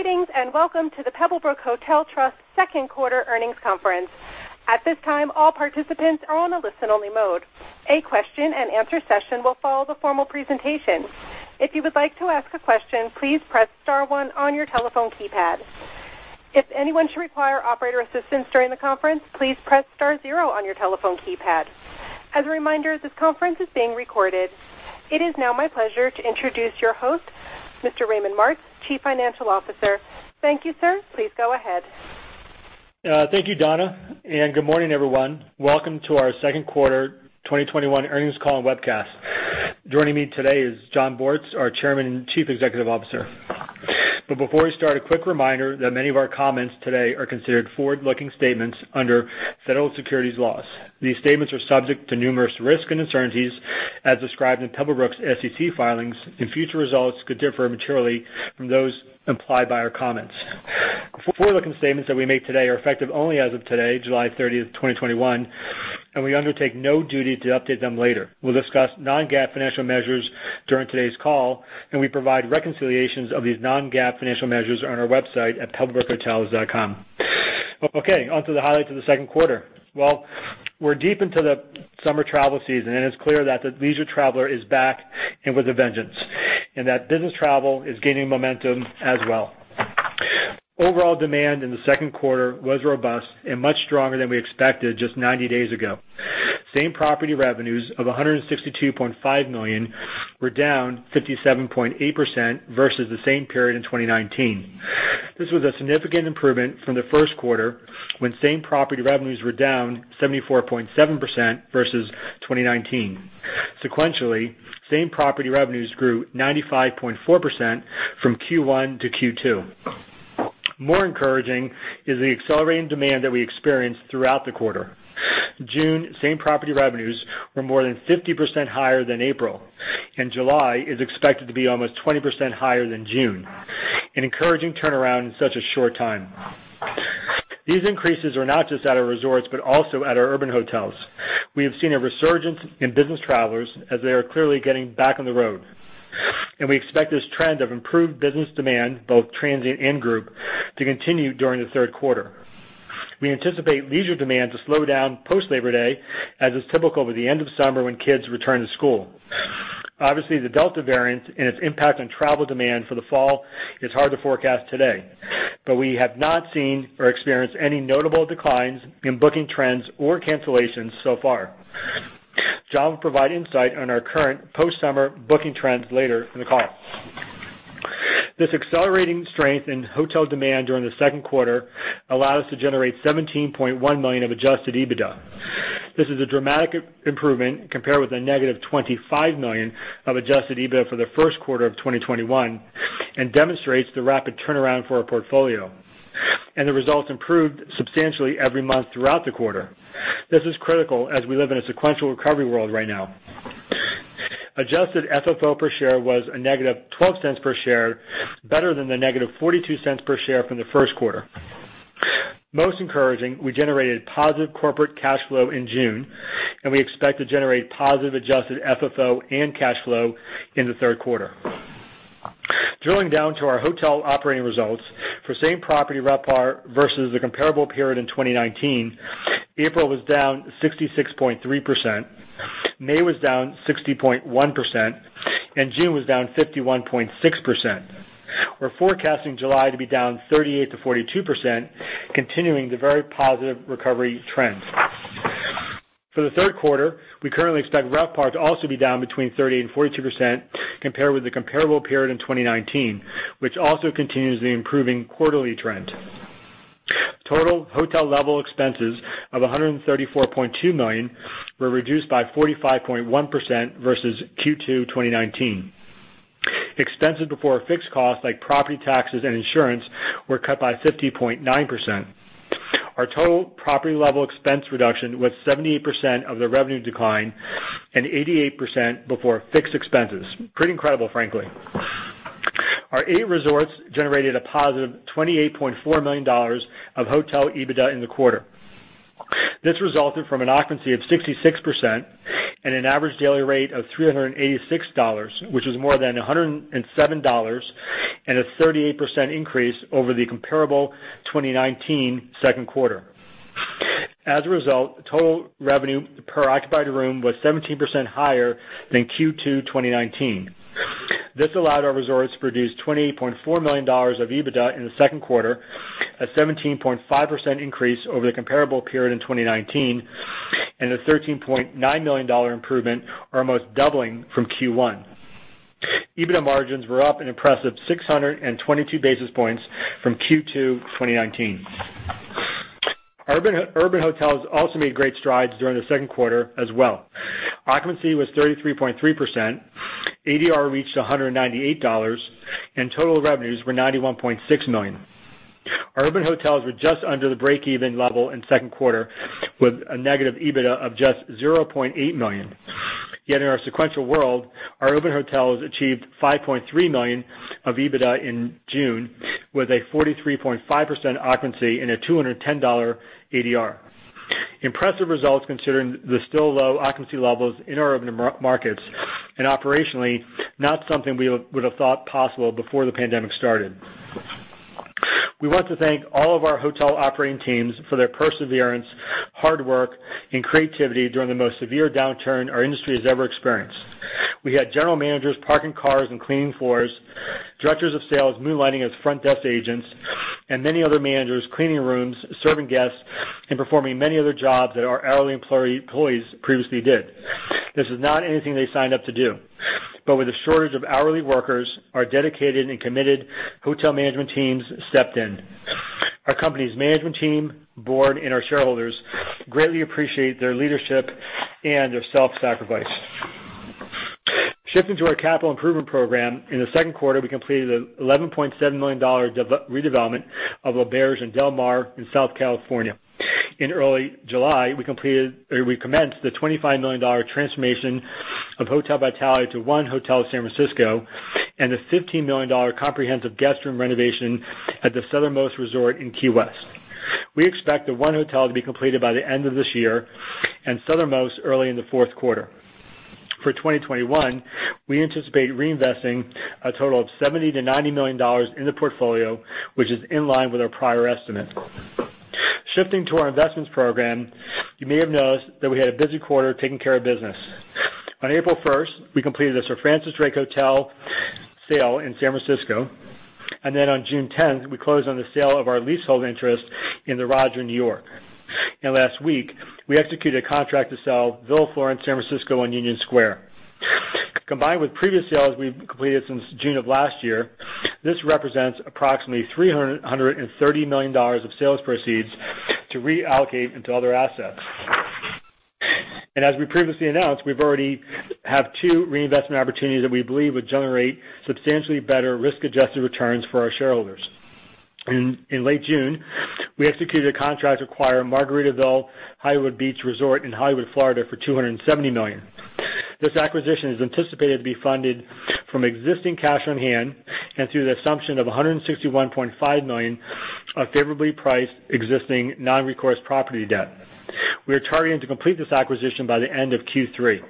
Greetings, and welcome to the Pebblebrook Hotel Trust second quarter earnings conference. At this time, all participants are on a listen-only mode. A Q&A session will follow the formal presentation. If you would like to ask a question, please press star one on your telephone keypad. If anyone should require operator assistance during the conference, please press star zero on your telephone keypad. As a reminder, this conference is being recorded. It is now my pleasure to introduce your host, Mr. Raymond Martz, Chief Financial Officer. Thank you, sir. Please go ahead. Thank you, Donna. Good morning, everyone. Welcome to our second quarter 2021 earnings call and webcast. Joining me today is Jon Bortz, our Chairman and Chief Executive Officer. Before we start, a quick reminder that many of our comments today are considered forward-looking statements under federal securities laws. These statements are subject to numerous risks and uncertainties as described in Pebblebrook's SEC filings, and future results could differ materially from those implied by our comments. Forward-looking statements that we make today are effective only as of today, July 30th, 2021, and we undertake no duty to update them later. We'll discuss non-GAAP financial measures during today's call, and we provide reconciliations of these non-GAAP financial measures on our website at pebblebrookhotels.com. Okay, onto the highlights of the second quarter. We're deep into the summer travel season, and it's clear that the leisure traveler is back, and with a vengeance, and that business travel is gaining momentum as well. Overall demand in the second quarter was robust and much stronger than we expected just 90 days ago. Same property revenues of $162.5 million were down 57.8% versus the same period in 2019. This was a significant improvement from the first quarter, when same property revenues were down 74.7% versus 2019. Sequentially, same property revenues grew 95.4% from Q1 to Q2. More encouraging is the accelerating demand that we experienced throughout the quarter. June same property revenues were more than 50% higher than April, and July is expected to be almost 20% higher than June, an encouraging turnaround in such a short time. These increases are not just at our resorts, but also at our urban hotels. We have seen a resurgence in business travelers, as they are clearly getting back on the road. We expect this trend of improved business demand, both transient and group, to continue during the third quarter. We anticipate leisure demand to slow down post Labor Day, as is typical with the end of summer when kids return to school. Obviously, the Delta variant and its impact on travel demand for the fall is hard to forecast today. We have not seen or experienced any notable declines in booking trends or cancellations so far. Jon will provide insight on our current post-summer booking trends later in the call. This accelerating strength in hotel demand during the second quarter allowed us to generate $17.1 million of adjusted EBITDA. This is a dramatic improvement compared with a negative $25 million of adjusted EBITDA for the first quarter of 2021 and demonstrates the rapid turnaround for our portfolio. The results improved substantially every month throughout the quarter. This is critical as we live in a sequential recovery world right now. Adjusted FFO per share was a negative $0.12 per share, better than the negative $0.42 per share from the first quarter. Most encouraging, we generated positive corporate cash flow in June, and we expect to generate positive adjusted FFO and cash flow in the third quarter. Drilling down to our hotel operating results, for same property RevPAR versus the comparable period in 2019, April was down 66.3%, May was down 60.1%, and June was down 51.6%. We're forecasting July to be down 38%-42%, continuing the very positive recovery trends. For the third quarter, we currently expect RevPAR to also be down between 38% and 42% compared with the comparable period in 2019, which also continues the improving quarterly trend. Total hotel level expenses of $134.2 million were reduced by 45.1% versus Q2 2019. Expenses before fixed costs like property taxes and insurance were cut by 50.9%. Our total property level expense reduction was 78% of the revenue decline and 88% before fixed expenses. Pretty incredible, frankly. Our eight resorts generated a positive $28.4 million of hotel EBITDA in the quarter. This resulted from an occupancy of 66% and an average daily rate of $386, which is more than $107 and a 38% increase over the comparable 2019 second quarter. As a result, total revenue per occupied room was 17% higher than Q2 2019. This allowed our resorts to produce $28.4 million of EBITDA in the second quarter, a 17.5% increase over the comparable period in 2019, and a $13.9 million improvement, or almost doubling from Q1. EBITDA margins were up an impressive 622 basis points from Q2 2019. Urban hotels also made great strides during the second quarter as well. Occupancy was 33.3%, ADR reached $198, and total revenues were $91.6 million. Our urban hotels were just under the break-even level in the second quarter, with a negative EBITDA of just $0.8 million. In our sequential world, our urban hotels achieved $5.3 million of EBITDA in June, with a 43.5% occupancy and a $210 ADR. Impressive results considering the still low occupancy levels in our markets, and operationally, not something we would have thought possible before the pandemic started. We want to thank all of our hotel operating teams for their perseverance, hard work, and creativity during the most severe downturn our industry has ever experienced. We had general managers parking cars and cleaning floors, directors of sales moonlighting as front desk agents, and many other managers cleaning rooms, serving guests, and performing many other jobs that our hourly employees previously did. This is not anything they signed up to do. With a shortage of hourly workers, our dedicated and committed hotel management teams stepped in. Our company's management team, board, and our shareholders greatly appreciate their leadership and their self-sacrifice. Shifting to our capital improvement program, in the second quarter, we completed an $11.7 million redevelopment of L'Auberge Del Mar in Southern California. In early July, we commenced the $25 million transformation of Hotel Vitale to 1 Hotel San Francisco, and a $15 million comprehensive guest room renovation at the Southernmost Beach Resort in Key West. We expect the 1 Hotel to be completed by the end of this year, and Southernmost early in the fourth quarter. For 2021, we anticipate reinvesting a total of $70 million-$90 million in the portfolio, which is in line with our prior estimate. Shifting to our investments program, you may have noticed that we had a busy quarter taking care of business. On April 1st, we completed the Sir Francis Drake Hotel sale in San Francisco. On June 10th, we closed on the sale of our leasehold interest in The Roger, New York. Last week, we executed a contract to sell Villa Florence San Francisco in Union Square. Combined with previous sales we've completed since June of last year, this represents approximately $330 million of sales proceeds to reallocate into other assets. As we previously announced, we already have two reinvestment opportunities that we believe would generate substantially better risk-adjusted returns for our shareholders. In late June, we executed a contract to acquire Margaritaville Hollywood Beach Resort in Hollywood, Florida for $270 million. This acquisition is anticipated to be funded from existing cash on hand, and through the assumption of $161.5 million of favorably priced existing non-recourse property debt. We are targeting to complete this acquisition by the end of Q3.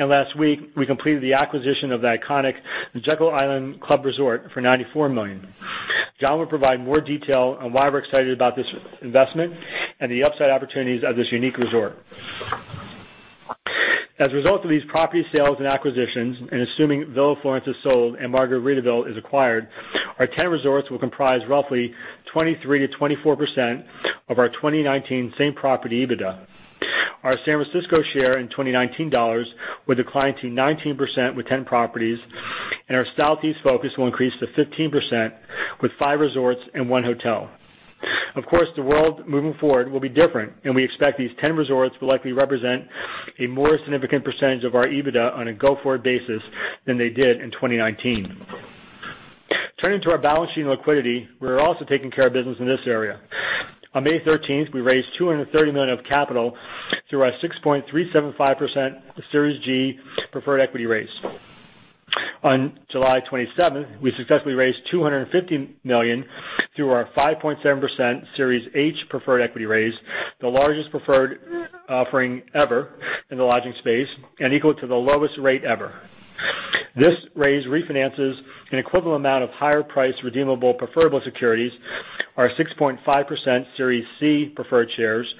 Last week, we completed the acquisition of the iconic Jekyll Island Club Resort for $94 million. Jon will provide more detail on why we're excited about this investment and the upside opportunities of this unique resort. As a result of these property sales and acquisitions, assuming Villa Florence is sold and Margaritaville is acquired, our 10 resorts will comprise roughly 23%-24% of our 2019 same property EBITDA. Our San Francisco share in 2019 dollars will decline to 19% with 10 properties, and our Southeast focus will increase to 15% with five resorts and one hotel. Of course, the world moving forward will be different, and we expect these 10 resorts will likely represent a more significant percentage of our EBITDA on a go-forward basis than they did in 2019. Turning to our balance sheet and liquidity, we're also taking care of business in this area. On May 13, we raised $230 million of capital through our 6.375% Series G preferred equity raise. On July 27th, we successfully raised $250 million through our 5.7% Series H preferred equity raise, the largest preferred offering ever in the lodging space, and equal to the lowest rate ever. This raise refinances an equivalent amount of higher priced redeemable preferred securities, our 6.5% Series C preferred shares,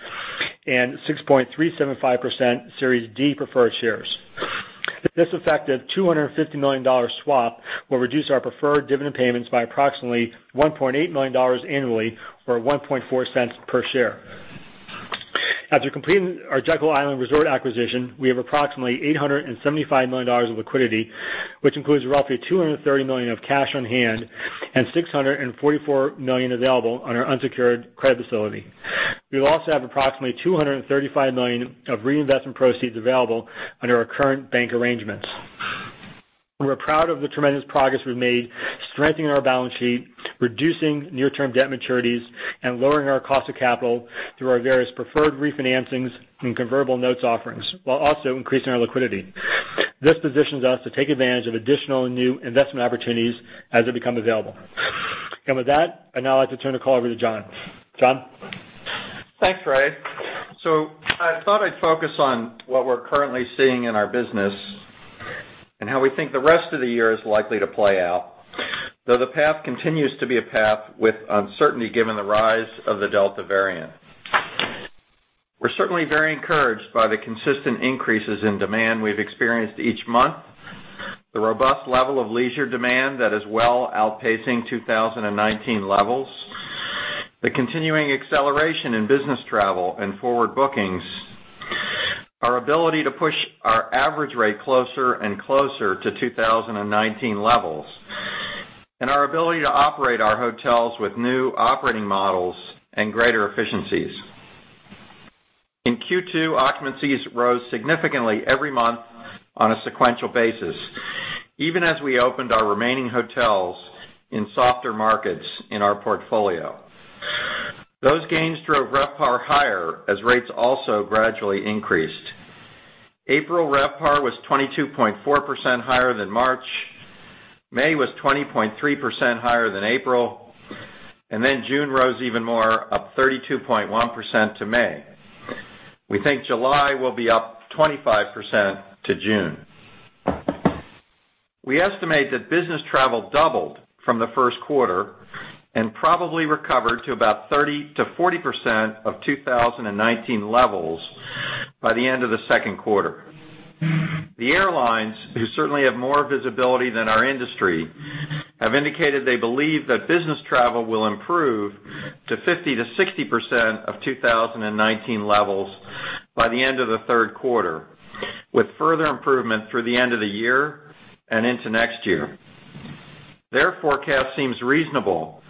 and 6.375% Series D preferred shares. This effective $250 million swap will reduce our preferred dividend payments by approximately $1.8 million annually, or $0.014 per share. After completing our Jekyll Island Resort acquisition, we have approximately $875 million of liquidity, which includes roughly $230 million of cash on hand and $644 million available on our unsecured credit facility. We also have approximately $235 million of reinvestment proceeds available under our current bank arrangements. We're proud of the tremendous progress we've made strengthening our balance sheet, reducing near-term debt maturities, and lowering our cost of capital through our various preferred refinancings and convertible notes offerings, while also increasing our liquidity. This positions us to take advantage of additional new investment opportunities as they become available. With that, I'd now like to turn the call over to Jon. Jon? Thanks, Ray. I thought I'd focus on what we're currently seeing in our business and how we think the rest of the year is likely to play out. Though the path continues to be a path with uncertainty given the rise of the Delta variant. We're certainly very encouraged by the consistent increases in demand we've experienced each month, the robust level of leisure demand that is well outpacing 2019 levels, the continuing acceleration in business travel and forward bookings, our ability to push our average rate closer and closer to 2019 levels, and our ability to operate our hotels with new operating models and greater efficiencies. In Q2, occupancies rose significantly every month on a sequential basis, even as we opened our remaining hotels in softer markets in our portfolio. Those gains drove RevPAR higher as rates also gradually increased. April RevPAR was 22.4% higher than March. May was 20.3% higher than April. June rose even more, up 32.1% to May. We think July will be up 25% to June. We estimate that business travel doubled from the first quarter, and probably recovered to about 30%-40% of 2019 levels by the end of the second quarter. The airlines, who certainly have more visibility than our industry, have indicated they believe that business travel will improve to 50%-60% of 2019 levels by the end of the third quarter, with further improvement through the end of the year and into next year. Their forecast seems reasonable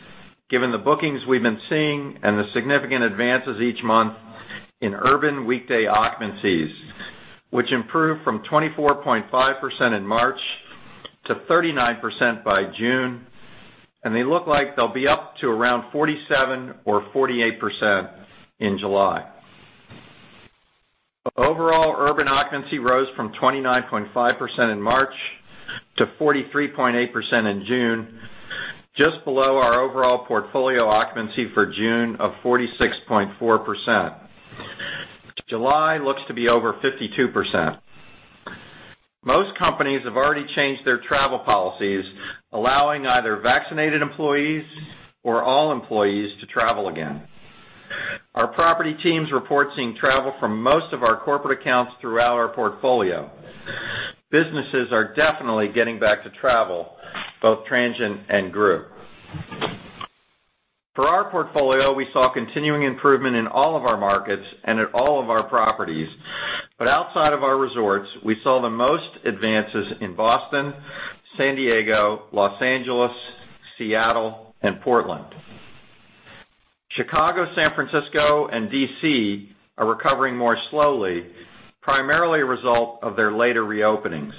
given the bookings we've been seeing and the significant advances each month in urban weekday occupancies, which improved from 24.5% in March to 39% by June, and they look like they'll be up to around 47% or 48% in July. Overall, urban occupancy rose from 29.5% in March to 43.8% in June, just below our overall portfolio occupancy for June of 46.4%. July looks to be over 52%. Most companies have already changed their travel policies, allowing either vaccinated employees or all employees to travel again. Our property teams report seeing travel from most of our corporate accounts throughout our portfolio. Businesses are definitely getting back to travel, both transient and group. For our portfolio, we saw continuing improvement in all of our markets and at all of our properties. Outside of our resorts, we saw the most advances in Boston, San Diego, Los Angeles, Seattle, and Portland. Chicago, San Francisco, and D.C. are recovering more slowly, primarily a result of their later reopenings.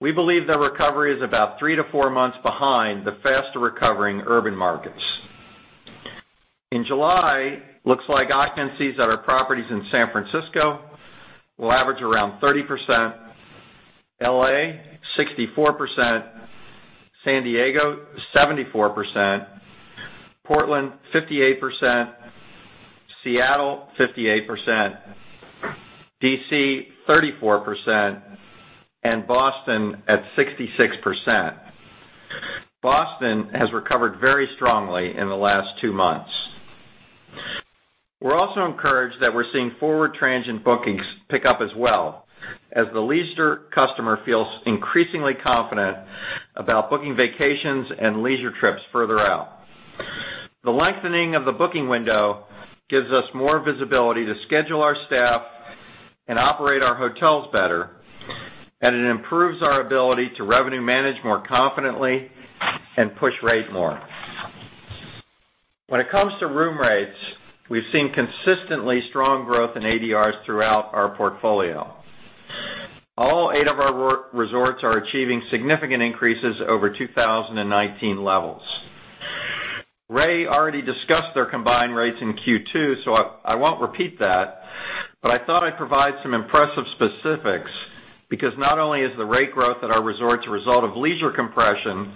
We believe the recovery is about three to four months behind the faster-recovering urban markets. In July, looks like occupancies at our properties in San Francisco will average around 30%, L.A. 64%, San Diego 74%, Portland 58%, Seattle 58%, D.C. 34%, and Boston at 66%. Boston has recovered very strongly in the last two months. We're also encouraged that we're seeing forward transient bookings pick up as well as the leisure customer feels increasingly confident about booking vacations and leisure trips further out. The lengthening of the booking window gives us more visibility to schedule our staff and operate our hotels better, and it improves our ability to revenue manage more confidently and push rate more. When it comes to room rates, we've seen consistently strong growth in ADRs throughout our portfolio. All eight of our resorts are achieving significant increases over 2019 levels. Ray already discussed their combined rates in Q2, so I won't repeat that, but I thought I'd provide some impressive specifics because not only is the rate growth at our resorts a result of leisure compression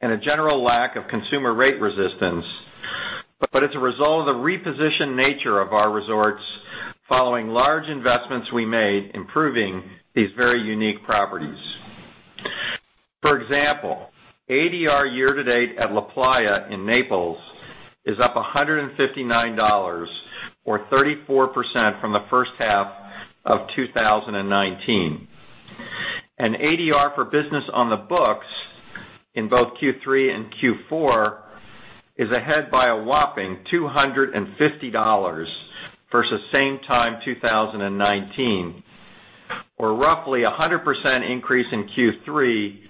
and a general lack of consumer rate resistance, but it's a result of the repositioned nature of our resorts following large investments we made improving these very unique properties. For example, ADR year-to-date at LaPlaya in Naples is up $159 or 34% from the first half of 2019. ADR for business on the books in both Q3 and Q4 is ahead by a whopping $250 versus same time 2019. Roughly 100% increase in Q3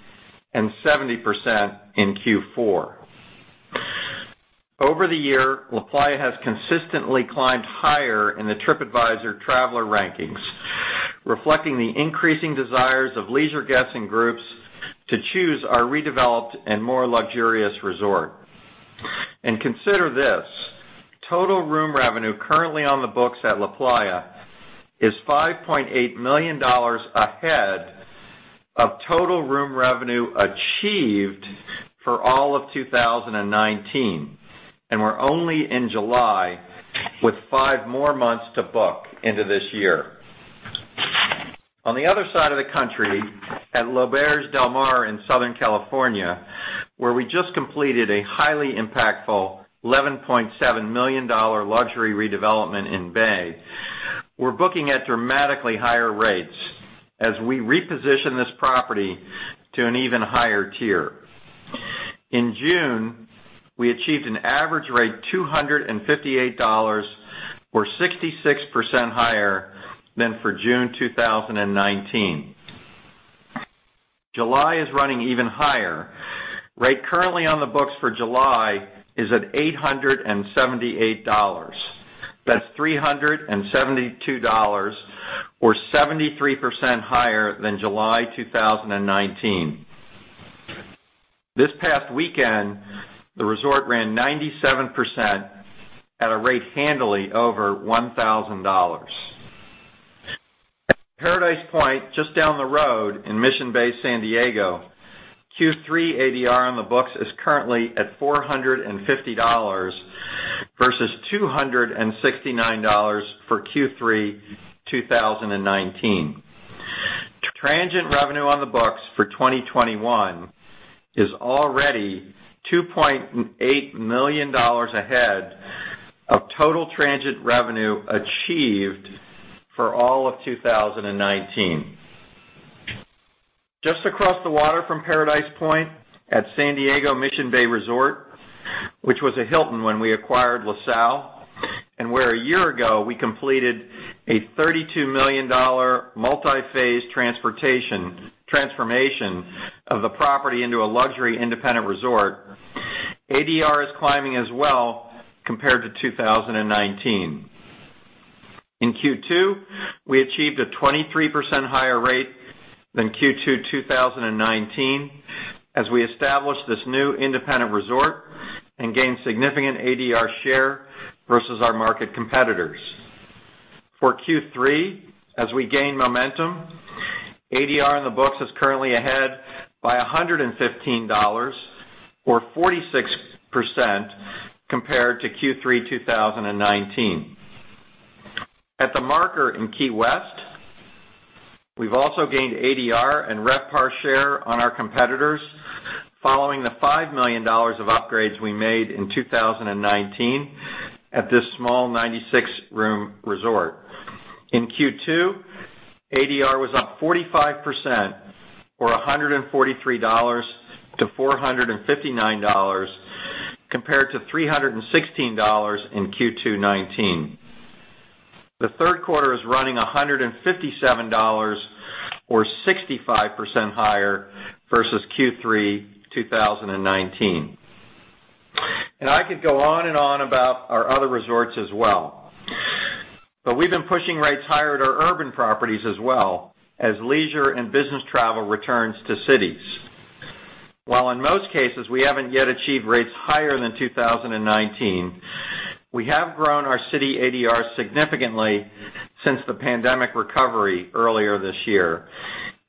and 70% in Q4. Over the year, LaPlaya has consistently climbed higher in the Tripadvisor traveler rankings, reflecting the increasing desires of leisure guests and groups to choose our redeveloped and more luxurious resort. Consider this, total room revenue currently on the books at LaPlaya is $5.8 million ahead of total room revenue achieved for all of 2019, and we're only in July with five more months to book into this year. On the other side of the country, at L'Auberge Del Mar in Southern California, where we just completed a highly impactful $11.7 million luxury redevelopment in Bay, we're booking at dramatically higher rates as we reposition this property to an even higher tier. In June, we achieved an average rate, $258, or 66% higher than for June 2019. July is running even higher. Rate currently on the books for July is at $878. That's $372 or 73% higher than July 2019. This past weekend, the resort ran 97% at a rate handily over $1,000. Paradise Point, just down the road in Mission Bay, San Diego, Q3 ADR on the books is currently at $450 versus $269 for Q3 2019. Transient revenue on the books for 2021 is already $2.8 million ahead of total transient revenue achieved for all of 2019. Just across the water from Paradise Point at San Diego Mission Bay Resort, which was a Hilton when we acquired LaSalle, and where a year ago we completed a $32 million multi-phase transformation of the property into a luxury independent resort, ADR is climbing as well compared to 2019. In Q2, we achieved a 23% higher rate than Q2 2019, as we established this new independent resort and gained significant ADR share versus our market competitors. For Q3, as we gain momentum, ADR on the books is currently ahead by $115 or 46% compared to Q3 2019. At The Marker in Key West, we've also gained ADR and RevPAR share on our competitors following the $5 million of upgrades we made in 2019 at this small 96-room resort. In Q2, ADR was up 45% or $143 to $459, compared to $316 in Q2 2019. I could go on and on about our other resorts as well. The third quarter is running $157 or 65% higher versus Q3 2019. And I could go on and on about our other resorts as well. We've been pushing rates higher at our urban properties as well as leisure and business travel returns to cities. While in most cases, we haven't yet achieved rates higher than 2019, we have grown our city ADR significantly since the pandemic recovery earlier this year,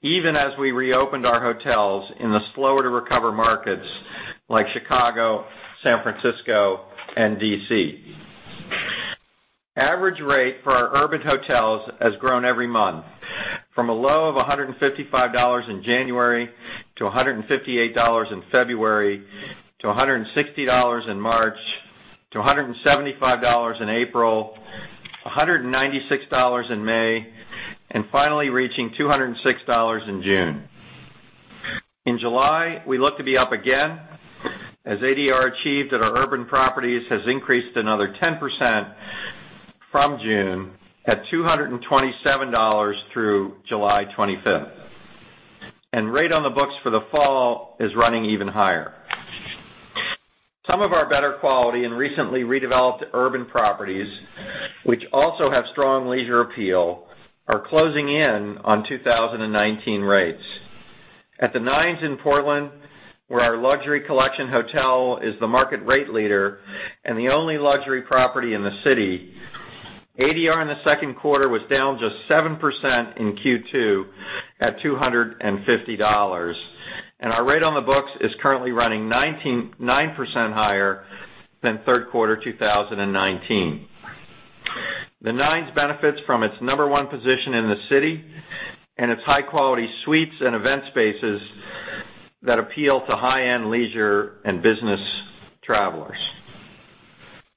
even as we reopened our hotels in the slower-to-recover markets like Chicago, San Francisco, and D.C. Average rate for our urban hotels has grown every month, from a low of $155 in January to $158 in February to $160 in March to $175 in April, $196 in May, and finally reaching $206 in June. In July, we look to be up again, as ADR achieved at our urban properties has increased another 10% from June at $227 through July 25th. Rate on the books for the fall is running even higher. Some of our better quality and recently redeveloped urban properties, which also have strong leisure appeal, are closing in on 2019 rates. At The Nines in Portland, where our Luxury Collection hotel is the market rate leader and the only luxury property in the city, ADR in the second quarter was down just 7% in Q2 at $250. Our rate on the books is currently running 9% higher than third quarter 2019. The Nines benefits from its number one position in the city and its high-quality suites and event spaces that appeal to high-end leisure and business travelers.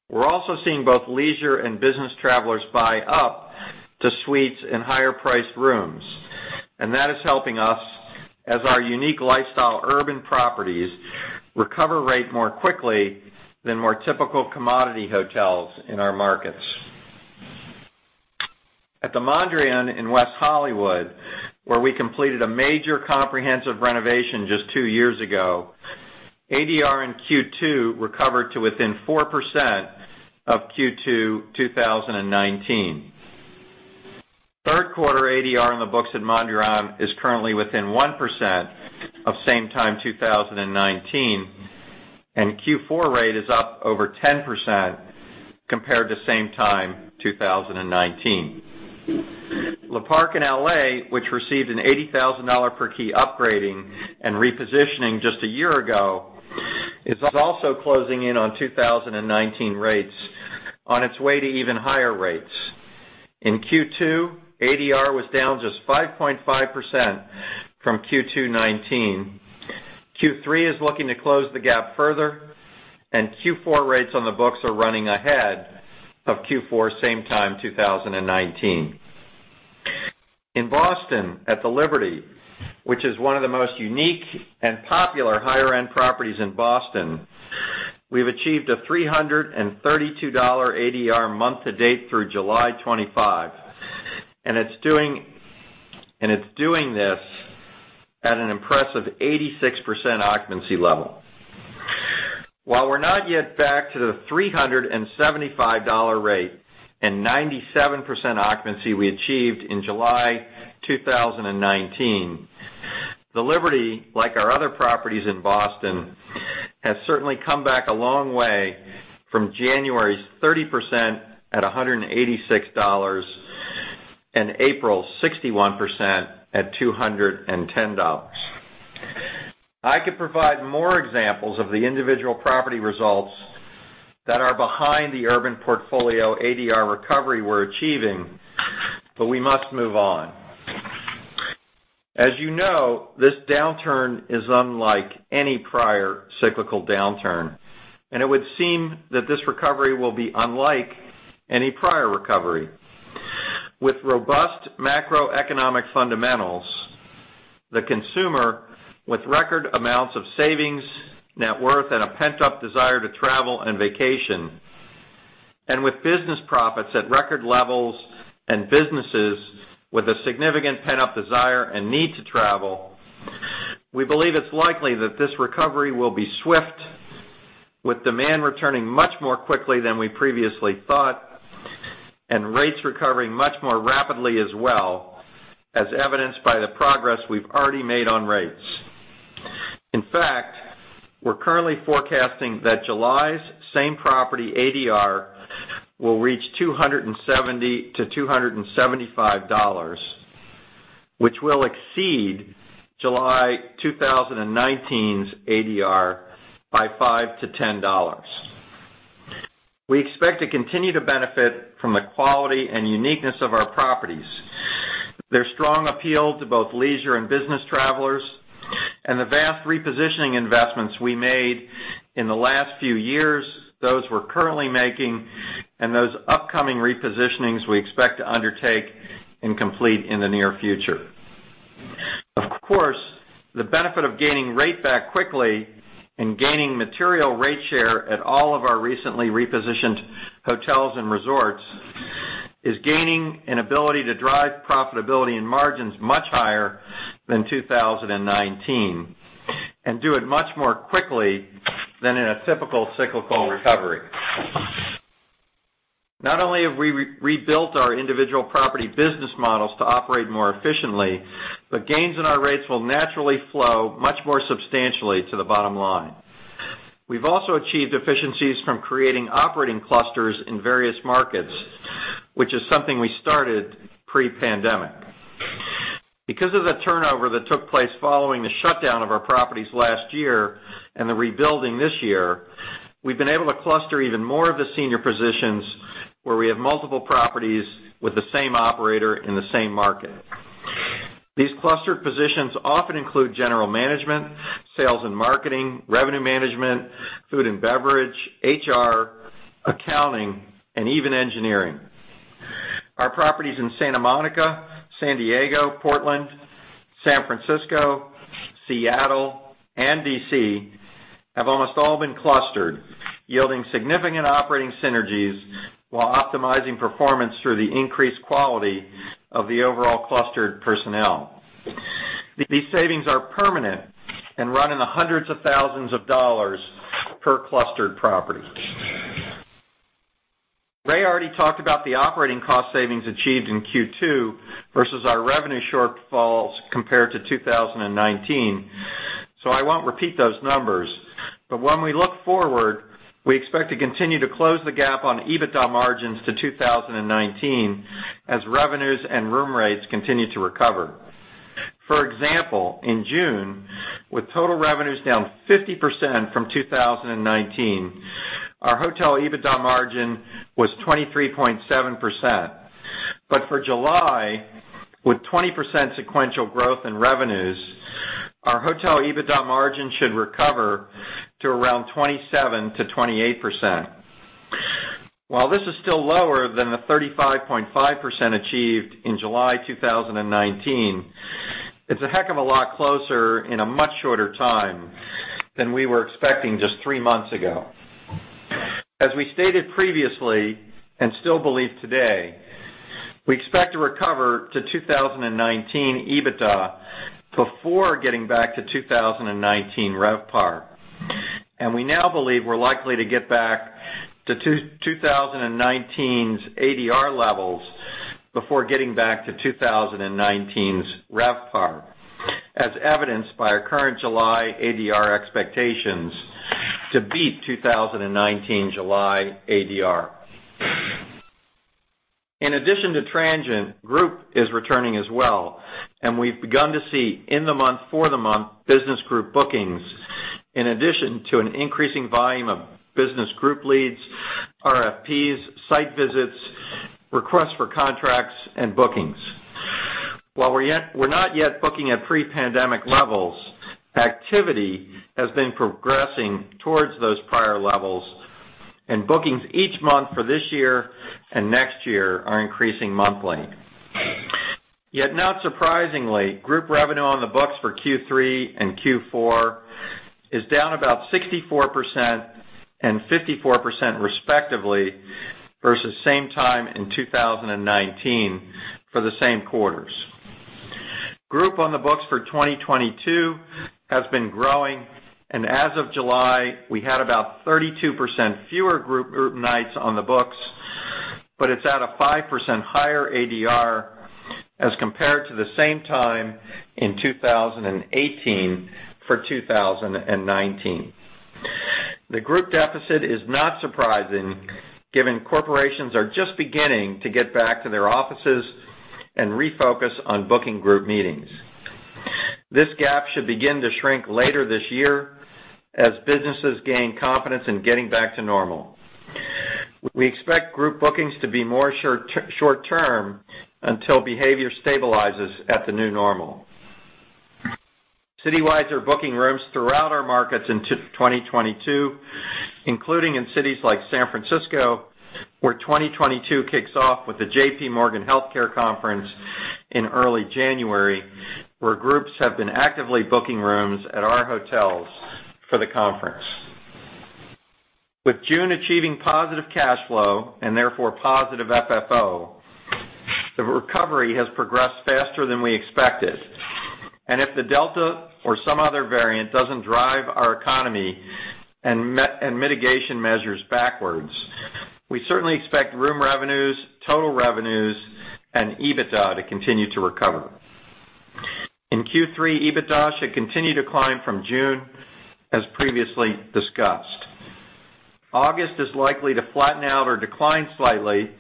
We're also seeing both leisure and business travelers buy up to suites and higher-priced rooms, and that is helping us as our unique lifestyle urban properties recover rate more quickly than more typical commodity hotels in our markets. At The Mondrian in West Hollywood, where we completed a major comprehensive renovation just two years ago, ADR in Q2 recovered to within 4% of Q2 2019. Third quarter ADR on the books at Mondrian is currently within 1% of same time 2019, and Q4 rate is up over 10% compared to same time 2019. Le Parc in L.A., which received an $80,000 per key upgrading and repositioning just a year ago, is also closing in on 2019 rates on its way to even higher rates. In Q2, ADR was down just 5.5% from Q2 2019. Q3 is looking to close the gap further. Q4 rates on the books are running ahead of Q4 same time 2019. In Boston at The Liberty, which is one of the most unique and popular higher-end properties in Boston, we've achieved a $332 ADR month to date through July 25. It's doing this at an impressive 86% occupancy level. While we're not yet back to the $375 rate and 97% occupancy we achieved in July 2019, The Liberty, like our other properties in Boston, has certainly come back a long way from January's 30% at $186, and April's 61% at $210. I could provide more examples of the individual property results that are behind the urban portfolio ADR recovery we're achieving. We must move on. As you know, this downturn is unlike any prior cyclical downturn. It would seem that this recovery will be unlike any prior recovery. With robust macroeconomic fundamentals, the consumer with record amounts of savings, net worth and a pent-up desire to travel and vacation, and with business profits at record levels, and businesses with a significant pent-up desire and need to travel, we believe it's likely that this recovery will be swift, with demand returning much more quickly than we previously thought, and rates recovering much more rapidly as well, as evidenced by the progress we've already made on rates. In fact, we're currently forecasting that July's same property ADR will reach $270-$275, which will exceed July 2019's ADR by $5-$10. We expect to continue to benefit from the quality and uniqueness of our properties, their strong appeal to both leisure and business travelers, and the vast repositioning investments we made in the last few years, those we're currently making, and those upcoming repositionings we expect to undertake and complete in the near future. Of course, the benefit of gaining rate back quickly and gaining material rate share at all of our recently repositioned hotels and resorts is gaining an ability to drive profitability and margins much higher than 2019, and do it much more quickly than in a typical cyclical recovery. Not only have we rebuilt our individual property business models to operate more efficiently, but gains in our rates will naturally flow much more substantially to the bottom line. We've also achieved efficiencies from creating operating clusters in various markets, which is something we started pre-pandemic. Because of the turnover that took place following the shutdown of our properties last year, and the rebuilding this year, we've been able to cluster even more of the senior positions where we have multiple properties with the same operator in the same market. These clustered positions often include general management, sales and marketing, revenue management, food and beverage, HR, accounting, and even engineering. Our properties in Santa Monica, San Diego, Portland, San Francisco, Seattle, and D.C., have almost all been clustered, yielding significant operating synergies while optimizing performance through the increased quality of the overall clustered personnel. These savings are permanent and run in the hundreds of thousands of dollars per clustered property. Ray already talked about the operating cost savings achieved in Q2 versus our revenue shortfalls compared to 2019. I won't repeat those numbers, but when we look forward, we expect to continue to close the gap on EBITDA margins to 2019 as revenues and room rates continue to recover. For example, in June, with total revenues down 50% from 2019, our hotel EBITDA margin was 23.7%. For July, with 20% sequential growth in revenues, our hotel EBITDA margin should recover to around 27%-28%. While this is still lower than the 35.5% achieved in July 2019, it's a heck of a lot closer in a much shorter time than we were expecting just three months ago. As we stated previously and still believe today, we expect to recover to 2019 EBITDA before getting back to 2019 RevPAR. We now believe we're likely to get back to 2019's ADR levels before getting back to 2019's RevPAR, as evidenced by our current July ADR expectations to beat 2019 July ADR. In addition to transient, group is returning as well, and we've begun to see in-the-month, for-the-month business group bookings, in addition to an increasing volume of business group leads, RFPs, site visits, requests for contracts and bookings. While we're not yet booking at pre-pandemic levels, activity has been progressing towards those prior levels, and bookings each month for this year and next year are increasing monthly. Not surprisingly, group revenue on the books for Q3 and Q4 is down about 64% and 54% respectively, versus same time in 2019 for the same quarters. Group on the books for 2022 has been growing, and as of July, we had about 32% fewer group nights on the books, but it's at a 5% higher ADR as compared to the same time in 2018 for 2019. The group deficit is not surprising, given corporations are just beginning to get back to their offices and refocus on booking group meetings. This gap should begin to shrink later this year as businesses gain confidence in getting back to normal. We expect group bookings to be more short-term until behavior stabilizes at the new normal. Citywides are booking rooms throughout our markets into 2022, including in cities like San Francisco, where 2022 kicks off with the JPMorgan Healthcare Conference in early January, where groups have been actively booking rooms at our hotels for the conference. With June achieving positive cash flow, and therefore positive FFO, the recovery has progressed faster than we expected. If the Delta variant or some other variant doesn't drive our economy and mitigation measures backwards, we certainly expect room revenues, total revenues, and EBITDA to continue to recover. In Q3, EBITDA should continue to climb from June, as previously discussed. August is likely to flatten out or decline slightly,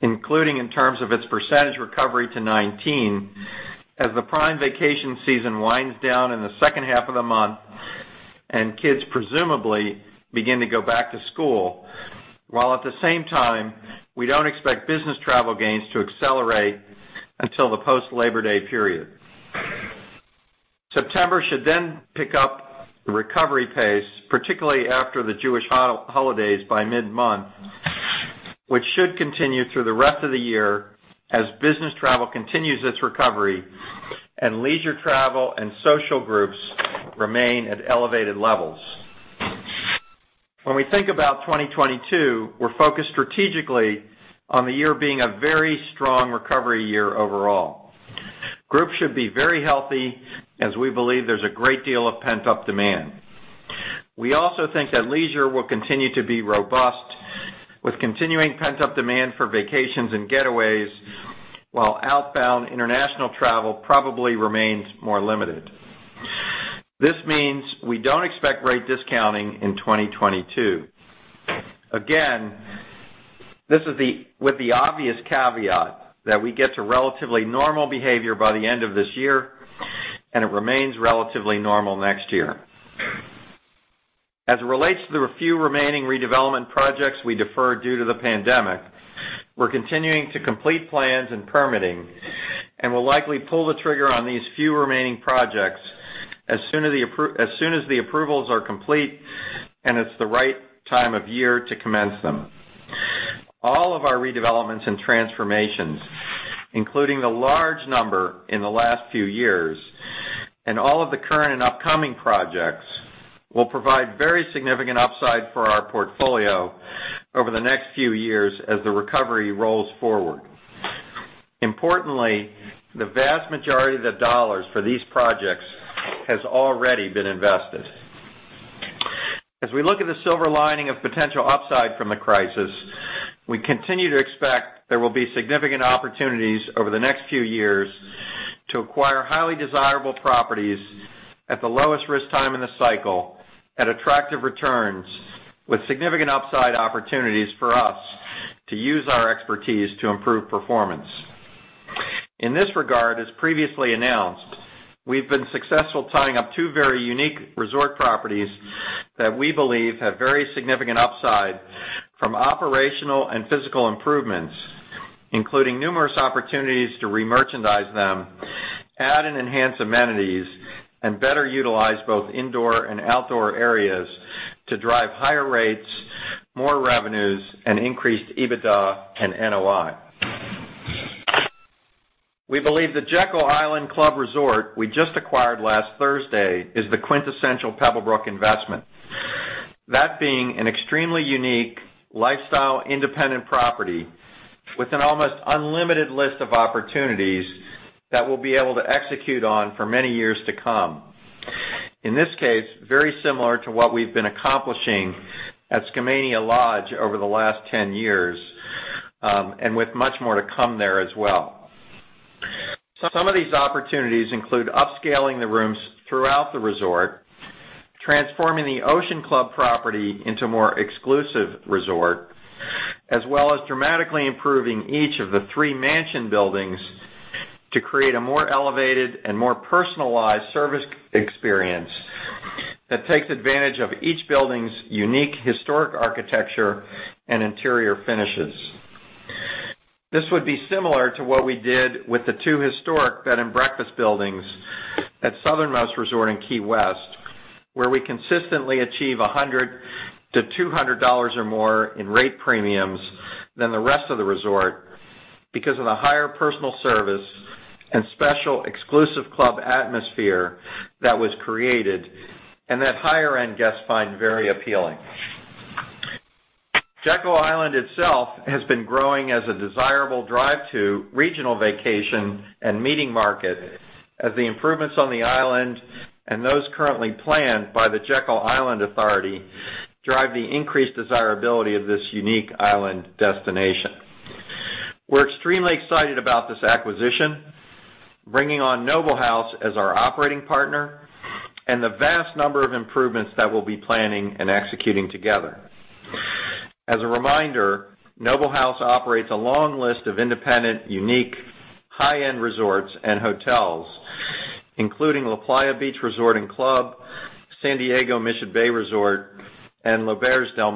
including in terms of its percentage recovery to 2019, as the prime vacation season winds down in the second half of the month and kids presumably begin to go back to school, while at the same time, we don't expect business travel gains to accelerate until the post-Labor Day period. September should pick up the recovery pace, particularly after the Jewish holidays by mid-month, which should continue through the rest of the year as business travel continues its recovery and leisure travel and social groups remain at elevated levels. When we think about 2022, we're focused strategically on the year being a very strong recovery year overall. Group should be very healthy, as we believe there's a great deal of pent-up demand. We also think that leisure will continue to be robust, with continuing pent-up demand for vacations and getaways, while outbound international travel probably remains more limited. This means we don't expect rate discounting in 2022. This is with the obvious caveat that we get to relatively normal behavior by the end of this year, and it remains relatively normal next year. As it relates to the few remaining redevelopment projects we deferred due to the pandemic, we're continuing to complete plans and permitting, and will likely pull the trigger on these few remaining projects as soon as the approvals are complete and it's the right time of year to commence them. All of our redevelopments and transformations, including the large number in the last few years, and all of the current and upcoming projects, will provide very significant upside for our portfolio over the next few years as the recovery rolls forward. Importantly, the vast majority of the dollars for these projects has already been invested. As we look at the silver lining of potential upside from the crisis, we continue to expect there will be significant opportunities over the next few years to acquire highly desirable properties at the lowest-risk time in the cycle, at attractive returns, with significant upside opportunities for us to use our expertise to improve performance. In this regard, as previously announced, we've been successful tying up two very unique resort properties that we believe have very significant upside from operational and physical improvements, including numerous opportunities to remerchandise them, add and enhance amenities, and better utilize both indoor and outdoor areas to drive higher rates, more revenues, and increased EBITDA and NOI. We believe the Jekyll Island Club Resort we just acquired last Thursday is the quintessential Pebblebrook investment. That being an extremely unique lifestyle-independent property with an almost unlimited list of opportunities that we'll be able to execute on for many years to come. In this case, very similar to what we've been accomplishing at Skamania Lodge over the last 10 years, and with much more to come there as well. Some of these opportunities include upscaling the rooms throughout the resort, transforming the Ocean Club property into a more exclusive resort, as well as dramatically improving each of the three mansion buildings to create a more elevated and more personalized service experience that takes advantage of each building's unique historic architecture and interior finishes. This would be similar to what we did with the two historic bed and breakfast buildings at Southernmost Resort in Key West, where we consistently achieve $100-$200 or more in rate premiums than the rest of the resort because of the higher personal service and special exclusive club atmosphere that was created, and that higher-end guests find very appealing. Jekyll Island itself has been growing as a desirable drive to regional vacation and meeting market as the improvements on the island and those currently planned by the Jekyll Island Authority drive the increased desirability of this unique island destination. We're extremely excited about this acquisition, bringing on Noble House as our operating partner, and the vast number of improvements that we'll be planning and executing together. As a reminder, Noble House operates a long list of independent, unique, high-end resorts and hotels, including LaPlaya Beach Resort and Club, San Diego Mission Bay Resort, and L'Auberge Del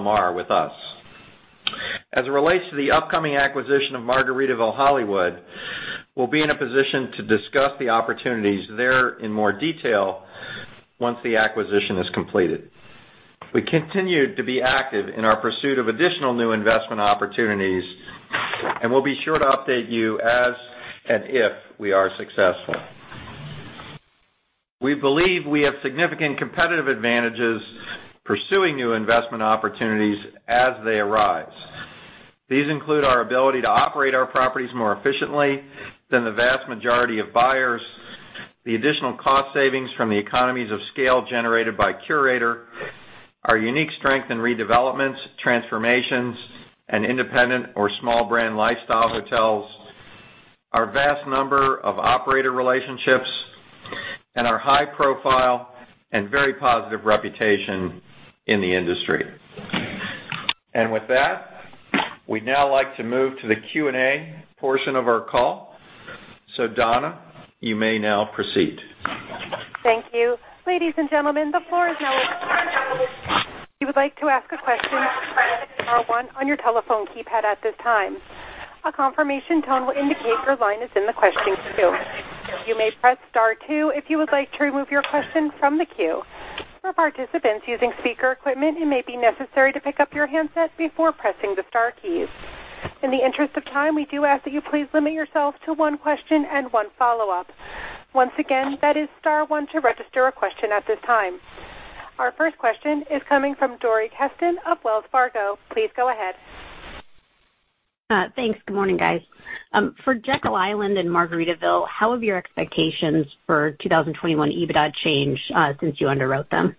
Mar with us. As it relates to the upcoming acquisition of Margaritaville Hollywood, we'll be in a position to discuss the opportunities there in more detail once the acquisition is completed. We continue to be active in our pursuit of additional new investment opportunities, and we'll be sure to update you as and if we are successful. We believe we have significant competitive advantages pursuing new investment opportunities as they arise. These include our ability to operate our properties more efficiently than the vast majority of buyers, the additional cost savings from the economies of scale generated by Curator, our unique strength in redevelopments, transformations, and independent or small brand lifestyle hotels, our vast number of operator relationships, and our high profile and very positive reputation in the industry. With that, we'd now like to move to the Q&A portion of our call. Donna, you may now proceed. Thank you. Ladies and gentlemen, the floor is now open. If you would like to ask a question, press star one on your telephone keypad at this time. A confirmation tone will indicate your line is in the question queue. You may press star two if you would like to remove your question from the queue. For participants using speaker equipment, it may be necessary to pick up your handset before pressing the star keys. In the interest of time, we do ask that you please limit yourself to one question and one follow-up. Once again, that is star one to register a question at this time. Our first question is coming from Dori Kesten of Wells Fargo. Please go ahead. Thanks. Good morning, guys. For Jekyll Island and Margaritaville, how have your expectations for 2021 EBITDA changed since you underwrote them?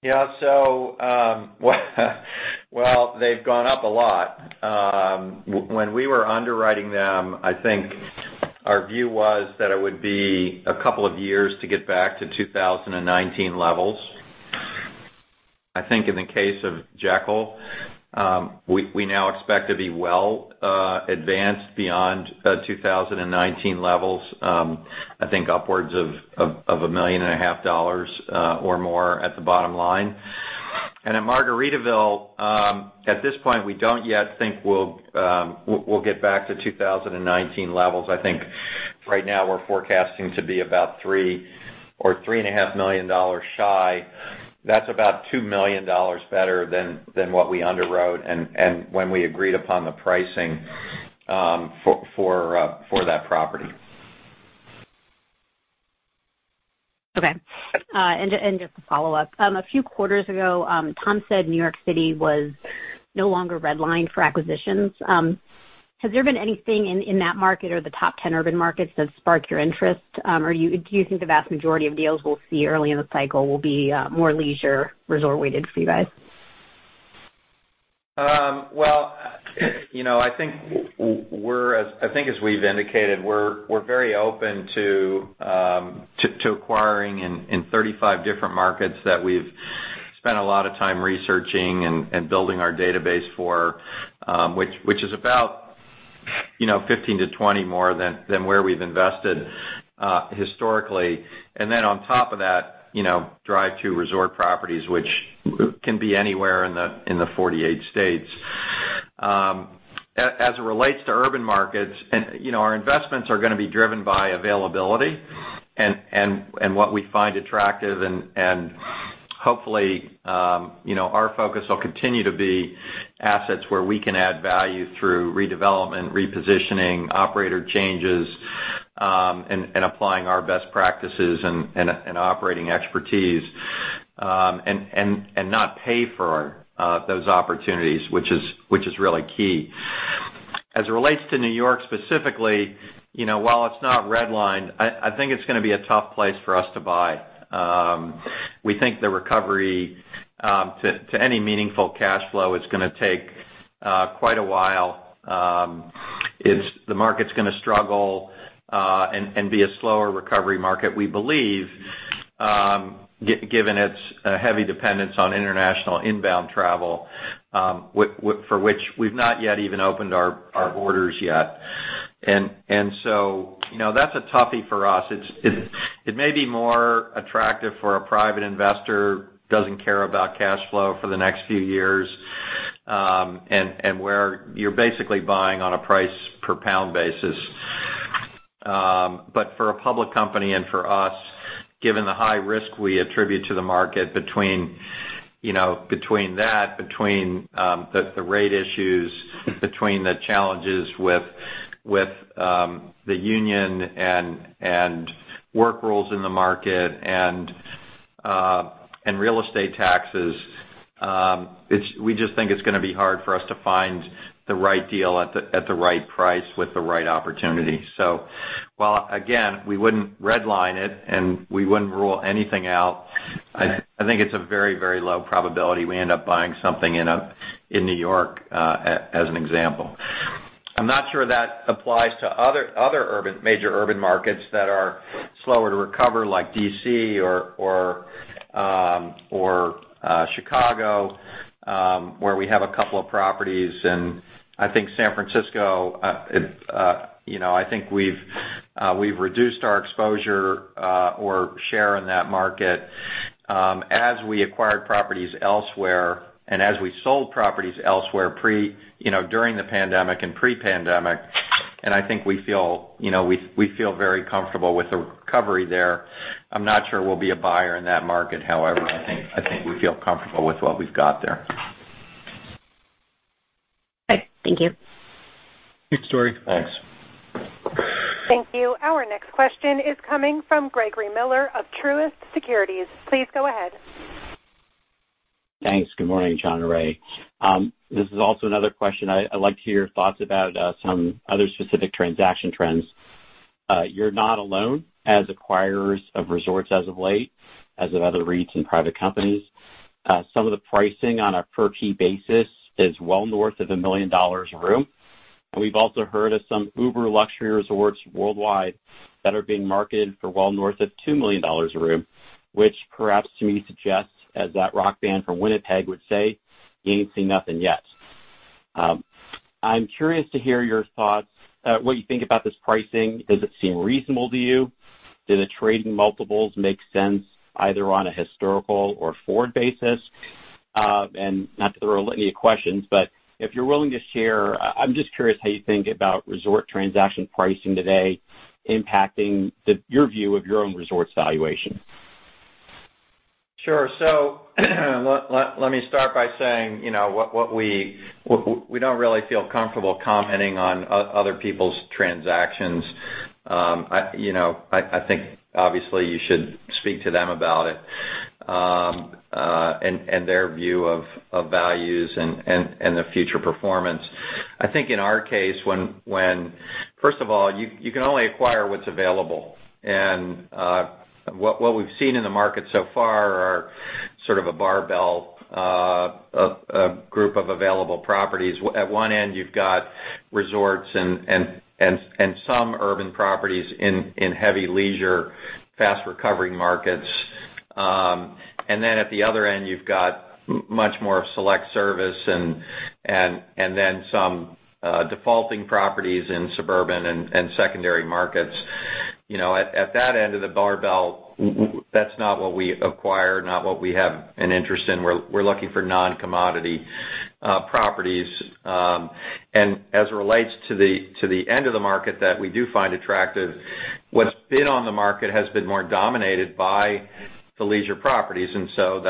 Yeah, they've gone up a lot. When we were underwriting them, I think our view was that it would be a couple of years to get back to 2019 levels. I think in the case of Jekyll, we now expect to be well advanced beyond 2019 levels, I think upwards of $1.5 million or more at the bottom line. At Margaritaville, at this point, we don't yet think we'll get back to 2019 levels. I think right now we're forecasting to be about $3 million or $3.5 Million shy. That's about $2 million better than what we underwrote and when we agreed upon the pricing for that property. Okay. Just to follow up, a few quarters ago, Tom said New York City was no longer redlined for acquisitions. Has there been anything in that market or the top 10 urban markets that sparked your interest? Do you think the vast majority of deals we'll see early in the cycle will be more leisure resort weighted for you guys? I think as we've indicated, we're very open to acquiring in 35 different markets that we've spent a lot of time researching and building our database for, which is about 15 to 20 more than where we've invested historically. Then on top of that, drive two resort properties which can be anywhere in the 48 states. As it relates to urban markets, our investments are going to be driven by availability and what we find attractive, and hopefully, our focus will continue to be assets where we can add value through redevelopment, repositioning, operator changes, and applying our best practices and operating expertise, and not pay for those opportunities, which is really key. As it relates to New York specifically, while it's not redlined, I think it's going to be a tough place for us to buy. We think the recovery to any meaningful cash flow is going to take quite a while. The market's going to struggle and be a slower recovery market, we believe, given its heavy dependence on international inbound travel, for which we've not yet even opened our borders yet. That's a toughie for us. It may be more attractive for a private investor who doesn't care about cash flow for the next few years, and where you're basically buying on a price per pound basis. For a public company and for us, given the high risk we attribute to the market between that, between the rate issues, between the challenges with the union and work rules in the market and real estate taxes, we just think it's going to be hard for us to find the right deal at the right price with the right opportunity. While, again, we wouldn't redline it and we wouldn't rule anything out, I think it's a very, very low probability we end up buying something in New York, as an example. I'm not sure that applies to other major urban markets that are slower to recover, like D.C. or Chicago, where we have a couple of properties. I think San Francisco, I think we've reduced our exposure or share in that market as we acquired properties elsewhere and as we sold properties elsewhere during the pandemic and pre-pandemic. I think we feel very comfortable with the recovery there. I'm not sure we'll be a buyer in that market, however. I think we feel comfortable with what we've got there. Okay. Thank you. Thanks, Dori. Thanks. Thank you. Our next question is coming from Gregory Miller of Truist Securities. Please go ahead. Thanks. Good morning, Jon and Ray. This is also another question I'd like to hear your thoughts about some other specific transaction trends. You're not alone as acquirers of resorts as of late, as of other REITs and private companies. Some of the pricing on a per-key basis is well north of $1 million a room. We've also heard of some uber luxury resorts worldwide that are being marketed for well north of $2 million a room, which perhaps to me suggests, as that rock band from Winnipeg would say, "You ain't seen nothing yet." I'm curious to hear your thoughts, what you think about this pricing. Does it seem reasonable to you? Do the trading multiples make sense either on a historical or forward basis? Not to throw a litany of questions, but if you're willing to share, I'm just curious how you think about resort transaction pricing today impacting your view of your own resorts valuation. Sure. Let me start by saying, we don't really feel comfortable commenting on other people's transactions. I think obviously you should speak to them about it, and their view of values and the future performance. I think in our case, first of all, you can only acquire what's available. What we've seen in the market so far are sort of a barbell of group of available properties. At one end, you've got resorts and some urban properties in heavy leisure, fast recovering markets. At the other end, you've got much more of select service and then some defaulting properties in suburban and secondary markets. At that end of the barbell, that's not what we acquire, not what we have an interest in. We're looking for non-commodity properties. As it relates to the end of the market that we do find attractive, what's been on the market has been more dominated by the leisure properties, so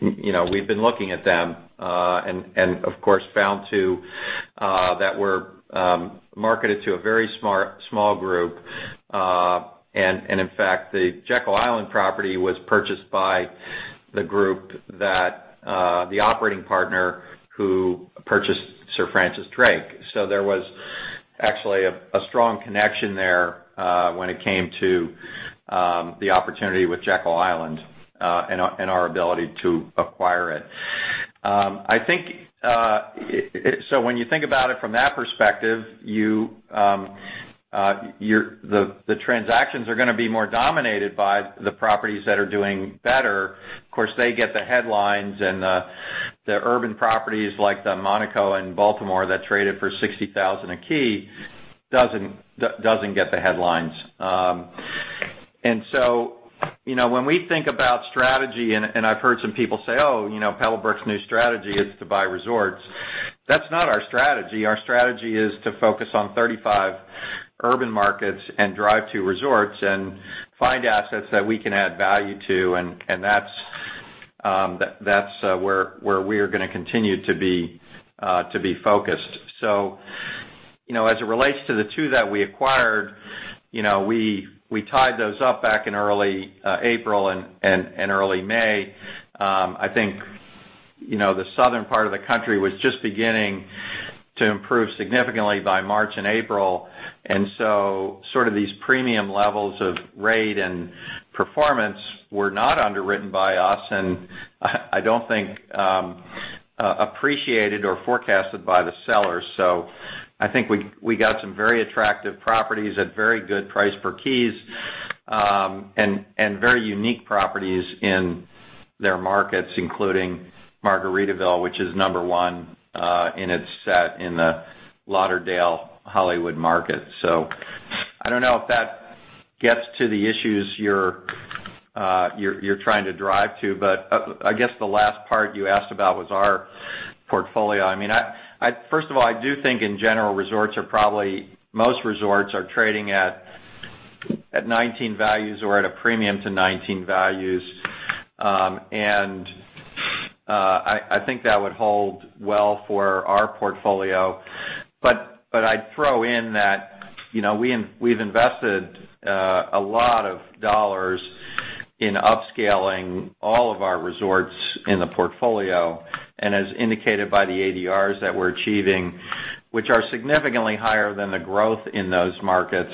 we've been looking at them, and of course, found too that we're marketed to a very small group. In fact, the Jekyll Island property was purchased by the group that the operating partner who purchased Sir Francis Drake. There was actually a strong connection there, when it came to the opportunity with Jekyll Island, and our ability to acquire it. When you think about it from that perspective, the transactions are going to be more dominated by the properties that are doing better. Of course, they get the headlines and the urban properties like the Hotel Monaco Baltimore that traded for $60,000 a key doesn't get the headlines. When we think about strategy, and I've heard some people say, "Oh, Pebblebrook's new strategy is to buy resorts." That's not our strategy. Our strategy is to focus on 35 urban markets and drive two resorts and find assets that we can add value to, and that's where we are going to continue to be focused. As it relates to the two that we acquired, we tied those up back in early April and early May. I think the southern part of the country was just beginning to improve significantly by March and April. Sort of these premium levels of rate and performance were not underwritten by us, and I don't think appreciated or forecasted by the sellers. I think we got some very attractive properties at very good price per keys, and very unique properties in their markets, including Margaritaville, which is number one in its set in the Lauderdale/Hollywood market. I don't know if that gets to the issues you're trying to drive to, but I guess the last part you asked about was our portfolio. First of all, I do think in general, resorts are probably most resorts are trading at 2019 values or at a premium to 2019 values. I think that would hold well for our portfolio. I'd throw in that we've invested a lot of dollars in upscaling all of our resorts in the portfolio, and as indicated by the ADR that we're achieving, which are significantly higher than the growth in those markets.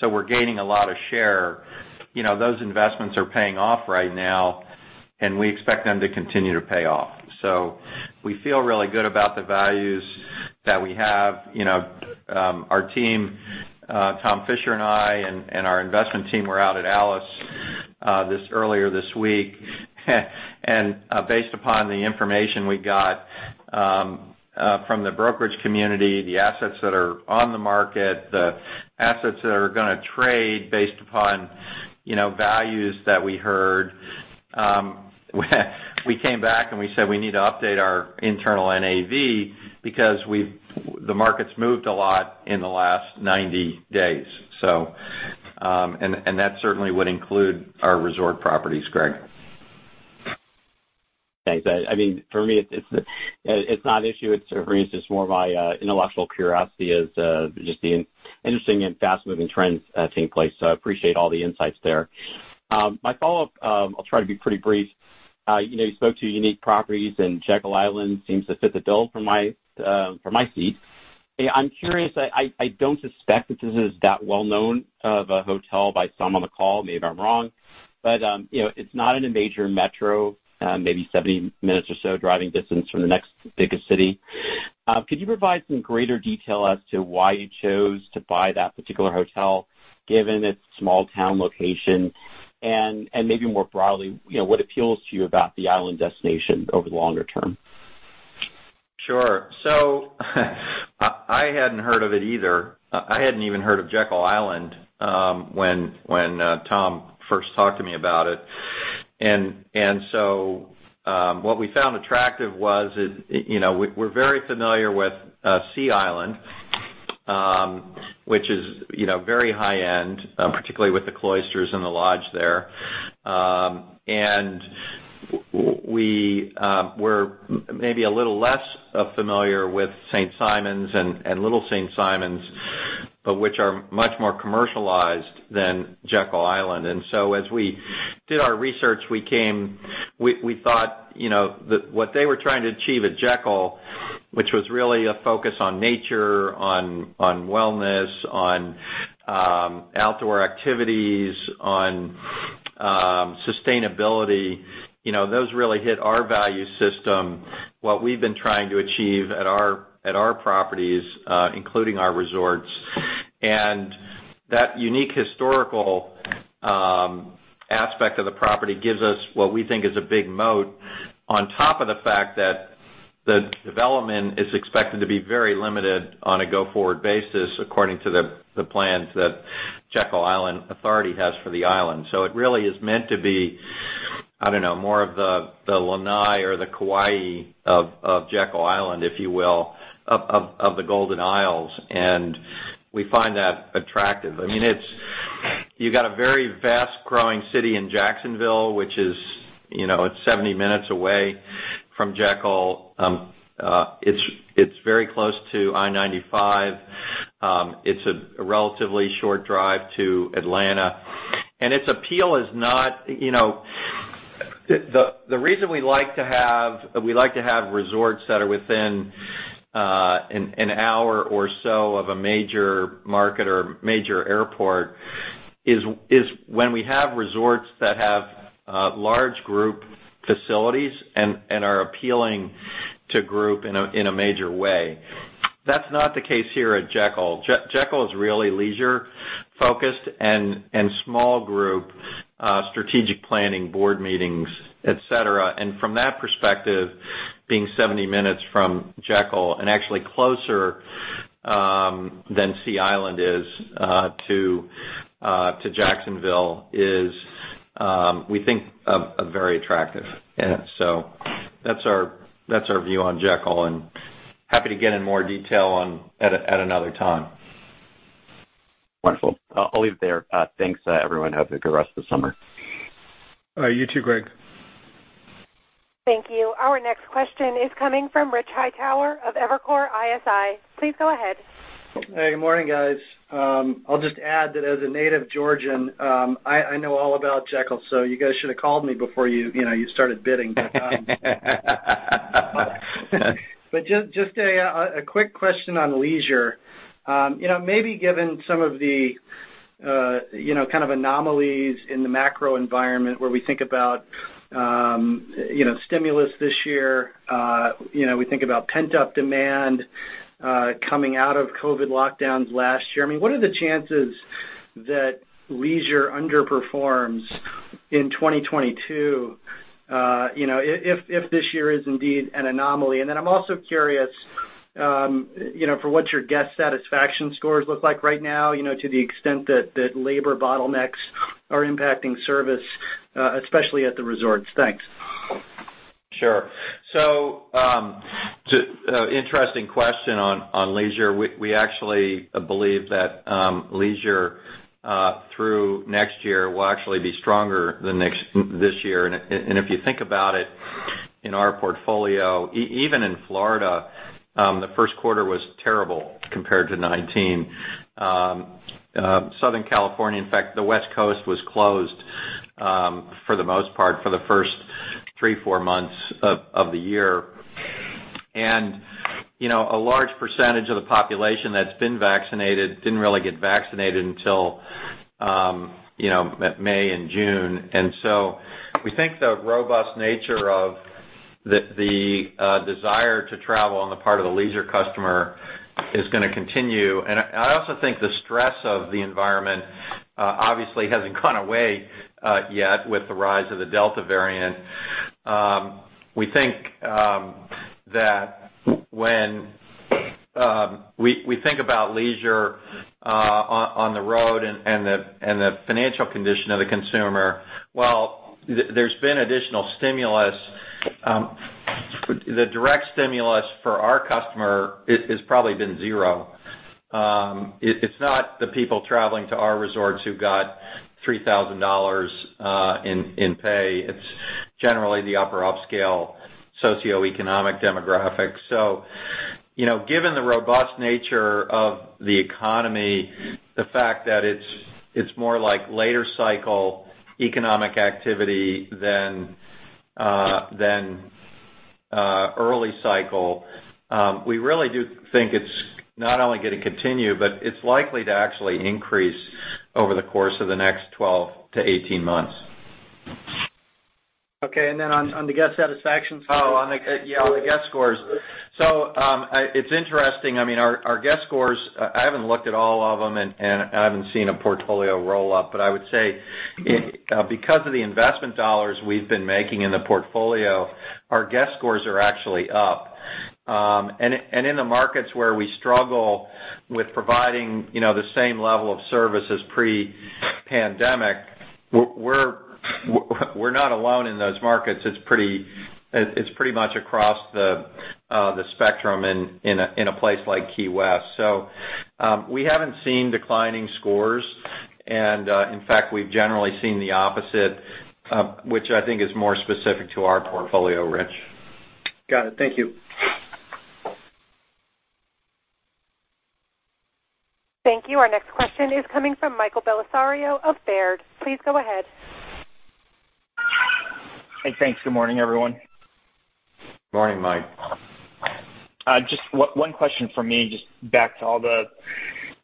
We're gaining a lot of share. Those investments are paying off right now, and we expect them to continue to pay off. We feel really good about the values that we have. Our team, Tom Fisher and I, and our investment team were out at ALIS earlier this week. Based upon the information we got from the brokerage community, the assets that are on the market, the assets that are going to trade based upon values that we heard, we came back and we said we need to update our internal NAV because the market's moved a lot in the last 90 days. That certainly would include our resort properties, Greg. Thanks. For me, it's not an issue. It's more my intellectual curiosity as just the interesting and fast-moving trends taking place. I appreciate all the insights there. My follow-up, I'll try to be pretty brief. You spoke to unique properties, and Jekyll Island seems to fit the bill from my seat. I'm curious, I don't suspect that this is that well-known of a hotel by some on the call. Maybe I'm wrong, but it's not in a major metro, maybe 70 minutes or so driving distance from the next biggest city. Could you provide some greater detail as to why you chose to buy that particular hotel, given its small town location, and maybe more broadly, what appeals to you about the island destination over the longer term? Sure. I hadn't heard of it either. I hadn't even heard of Jekyll Island when Tom first talked to me about it. What we found attractive was, we're very familiar with Sea Island, which is very high-end, particularly with The Cloister at Sea Island and the lodge there. We're maybe a little less familiar with St. Simons and Little St. Simons, which are much more commercialized than Jekyll Island. As we did our research, we thought what they were trying to achieve at Jekyll, which was really a focus on nature, on wellness, on outdoor activities, on sustainability. Those really hit our value system, what we've been trying to achieve at our properties, including our resorts. That unique historical aspect of the property gives us what we think is a big moat, on top of the fact that the development is expected to be very limited on a go-forward basis, according to the plans that Jekyll Island Authority has for the island. It really is meant to be, I don't know, more of the Lanai or the Kauai of Jekyll Island, if you will, of the Golden Isles, and we find that attractive. You got a very fast-growing city in Jacksonville, which is 70 minutes away from Jekyll. It's very close to I-95. It's a relatively short drive to Atlanta. The reason we like to have resorts that are within an hour or so of a major market or major airport is when we have resorts that have large group facilities and are appealing to group in a major way. That's not the case here at Jekyll. Jekyll is really leisure-focused and small group strategic planning board meetings, et cetera. From that perspective, being 70 minutes from Jekyll, and actually closer than Sea Island is to Jacksonville is, we think, very attractive. That's our view on Jekyll, and happy to get in more detail at another time. Wonderful. I'll leave it there. Thanks, everyone. Have a good rest of the summer. All right. You too, Greg. Thank you. Our next question is coming from Richard Hightower of Evercore ISI. Please go ahead. Hey, good morning, guys. I'll just add that as a native Georgian, I know all about Jekyll, you guys should have called me before you started bidding. Just a quick question on leisure. Maybe given some of the kind of anomalies in the macro environment where we think about stimulus this year, we think about pent-up demand coming out of COVID lockdowns last year. What are the chances that leisure underperforms in 2022 if this year is indeed an anomaly? I'm also curious for what your guest satisfaction scores look like right now to the extent that labor bottlenecks are impacting service, especially at the resorts. Thanks. Sure. Interesting question on leisure. We actually believe that leisure through next year will actually be stronger than this year. If you think about it. In our portfolio, even in Florida, the first quarter was terrible compared to 2019. Southern California, in fact, the West Coast was closed for the most part for the first three, four months of the year. A large percentage of the population that's been vaccinated didn't really get vaccinated until May and June. We think the robust nature of the desire to travel on the part of the leisure customer is going to continue. I also think the stress of the environment obviously hasn't gone away yet with the rise of the Delta variant. We think about leisure on the road and the financial condition of the consumer. While there's been additional stimulus, the direct stimulus for our customer has probably been 0. It's not the people traveling to our resorts who got $3,000 in pay. It's generally the upper upscale socioeconomic demographics. Given the robust nature of the economy, the fact that it's more like later cycle economic activity than early cycle, we really do think it's not only going to continue, but it's likely to actually increase over the course of the next 12-18 months. Okay, on the guest satisfaction score. On the Yeah, on the guest scores. It's interesting. Our guest scores, I haven't looked at all of them and I haven't seen a portfolio roll-up, I would say because of the investment dollars we've been making in the portfolio, our guest scores are actually up. In the markets where we struggle with providing the same level of service as pre-pandemic, we're not alone in those markets. It's pretty much across the spectrum in a place like Key West. We haven't seen declining scores. In fact, we've generally seen the opposite, which I think is more specific to our portfolio, Rich. Got it. Thank you. Thank you. Our next question is coming from Michael Bellisario of Baird. Please go ahead. Hey, thanks. Good morning, everyone. Morning, Mike. One question from me, just back to all the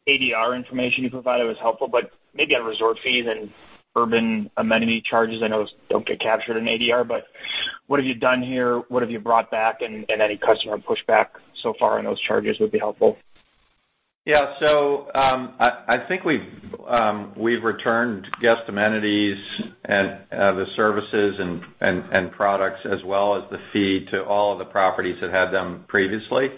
ADR information you provided was helpful, but maybe on resort fees and urban amenity charges. I know those don't get captured in ADR, but what have you done here? What have you brought back? Any customer pushback so far on those charges would be helpful. Yeah. I think we've returned guest amenities and the services and products as well as the fee to all of the properties that had them previously.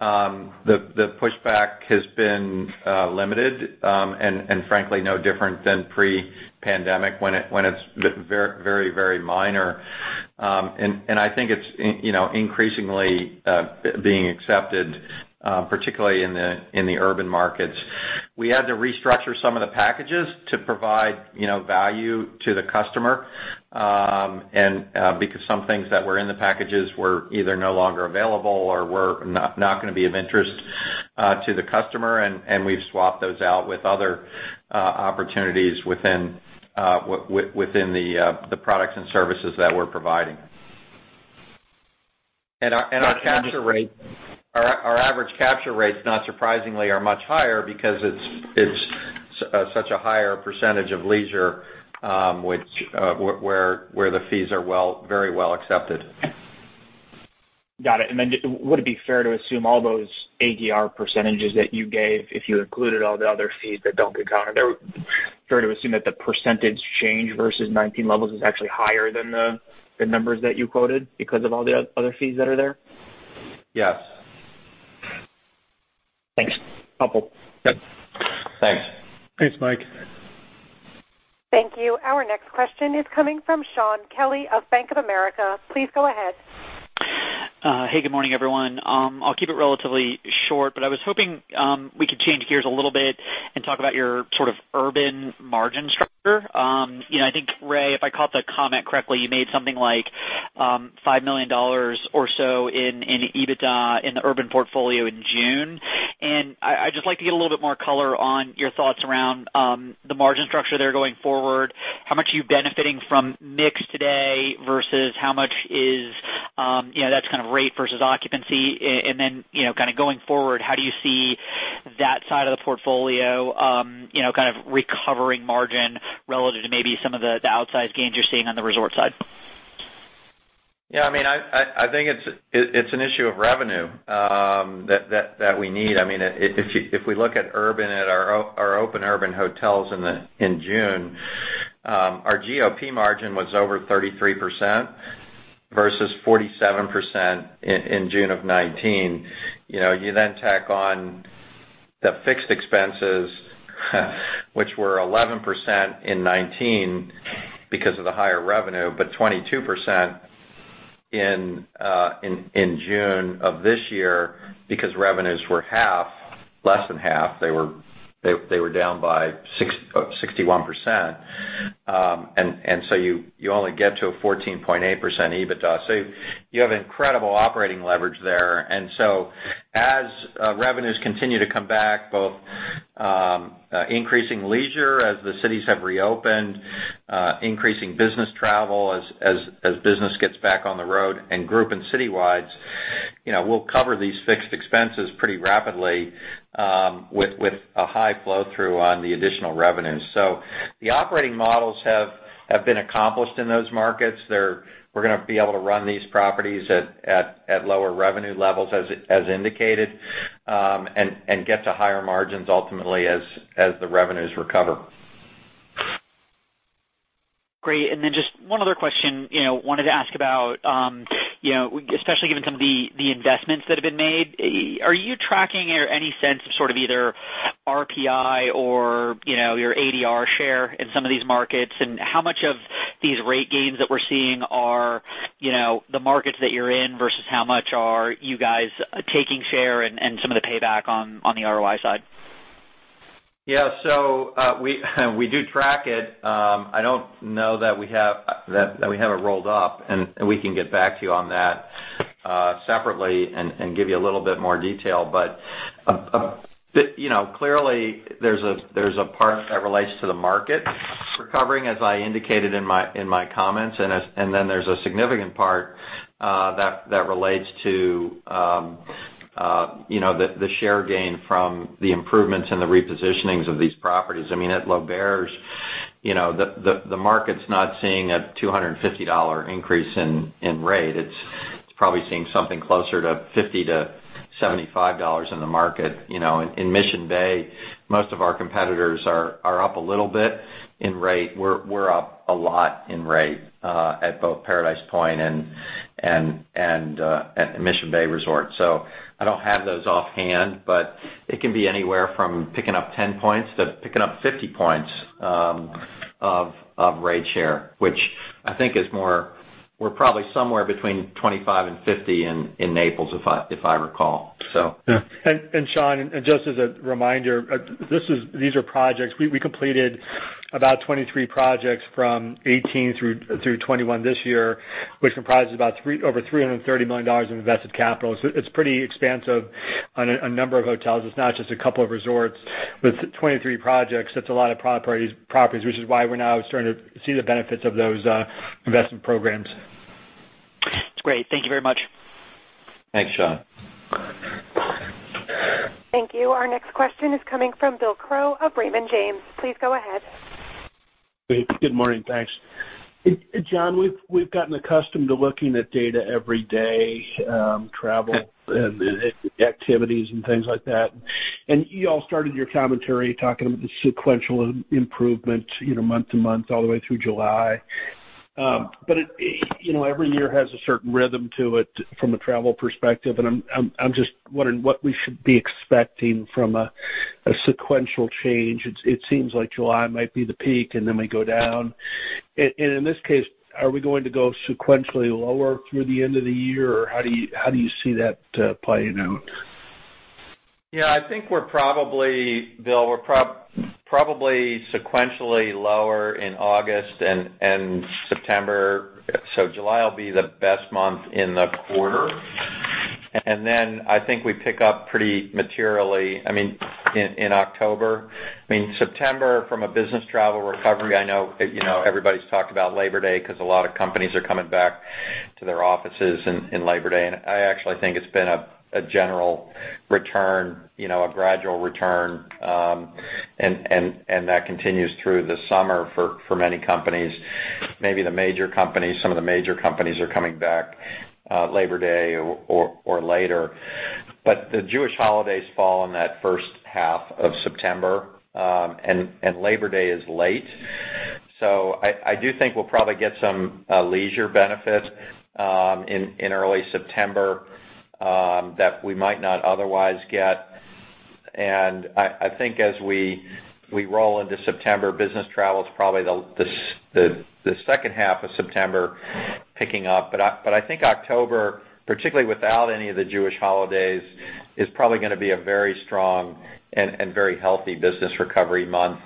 The pushback has been limited, and frankly, no different than pre-pandemic when it's very, very minor. I think it's increasingly being accepted, particularly in the urban markets. We had to restructure some of the packages to provide value to the customer, because some things that were in the packages were either no longer available or were not going to be of interest to the customer, and we've swapped those out with other opportunities within the products and services that we're providing. Our capture rate, our average capture rates, not surprisingly, are much higher because it's such a higher percentage of leisure, where the fees are very well accepted. Got it. Would it be fair to assume all those ADR percentages that you gave, if you included all the other fees that don't get counted there, fair to assume that the percentage change versus 2019 levels is actually higher than the numbers that you quoted because of all the other fees that are there? Yes. Thanks. Helpful. Yep. Thanks. Thanks, Mike. Thank you. Our next question is coming from Shaun Kelley of Bank of America. Please go ahead. Hey, good morning, everyone. I'll keep it relatively short, but I was hoping we could change gears a little bit and talk about your sort of urban margin structure. I think, Ray, if I caught the comment correctly, you made something like $5 million or so in EBITDA in the urban portfolio in June. I'd just like to get a little bit more color on your thoughts around the margin structure there going forward. How much are you benefiting from mix today versus how much is that's kind of rate versus occupancy? Going forward, how do you see that side of the portfolio kind of recovering margin relative to maybe some of the outsized gains you're seeing on the resort side? Yeah, I think it's an issue of revenue that we need. If we look at urban, at our open urban hotels in June, our GOP margin was over 33% versus 47% in June of 2019. You tack on the fixed expenses, which were 11% in 2019 because of the higher revenue, but 22% in June of this year because revenues were half. Less than half. They were down by 61%. You only get to a 14.8% EBITDA. You have incredible operating leverage there. As revenues continue to come back, both increasing leisure as the cities have reopened, increasing business travel as business gets back on the road, and group and citywides, we'll cover these fixed expenses pretty rapidly with a high flow through on the additional revenues. The operating models have been accomplished in those markets. We're going to be able to run these properties at lower revenue levels as indicated, and get to higher margins ultimately as the revenues recover. Great. Just one other question, wanted to ask about, especially given some of the investments that have been made, are you tracking or any sense of sort of either RPI or your ADR share in some of these markets? How much of these rate gains that we're seeing are the markets that you're in versus how much are you guys taking share and some of the payback on the ROI side? We do track it. I don't know that we have it rolled up, and we can get back to you on that separately and give you a little bit more detail. Clearly, there's a part that relates to the market recovering, as I indicated in my comments, and then there's a significant part that relates to the share gain from the improvements and the repositionings of these properties. At L'Auberge, the market's not seeing a $250 increase in rate. It's probably seeing something closer to $50-$75 in the market. In Mission Bay, most of our competitors are up a little bit in rate. We're up a lot in rate at both Paradise Point and at Mission Bay Resort. I don't have those offhand, but it can be anywhere from picking up 10 points to picking up 50 points of rate share. We're probably somewhere between 25 and 50 in Naples, if I recall. Shaun, just as a reminder, these are projects. We completed about 23 projects from 2018 through 2021 this year, which comprises about over $330 million in invested capital. It's pretty expansive on a number of hotels. It's not just a couple of resorts. With 23 projects, that's a lot of properties, which is why we're now starting to see the benefits of those investment programs. That's great. Thank you very much. Thanks, Shaun. Thank you. Our next question is coming from Bill Crow of Raymond James. Please go ahead. Good morning. Thanks. Jon, we've gotten accustomed to looking at data every day, travel activities and things like that. You all started your commentary talking about the sequential improvement, month to month, all the way through July. Every year has a certain rhythm to it from a travel perspective, and I'm just wondering what we should be expecting from a sequential change. It seems like July might be the peak, then we go down. In this case, are we going to go sequentially lower through the end of the year, or how do you see that playing out? Yeah, I think we're probably, Bill, we're probably sequentially lower in August and September. July will be the best month in the quarter. Then I think we pick up pretty materially in October. September, from a business travel recovery, I know everybody's talked about Labor Day because a lot of companies are coming back to their offices in Labor Day. I actually think it's been a general return, a gradual return, and that continues through the summer for many companies. Maybe the major companies, some of the major companies are coming back Labor Day or later. The Jewish holidays fall in that first half of September, and Labor Day is late. I do think we'll probably get some leisure benefits in early September that we might not otherwise get. I think as we roll into September, business travel is probably the second half of September picking up. I think October, particularly without any of the Jewish holidays, is probably going to be a very strong and very healthy business recovery month.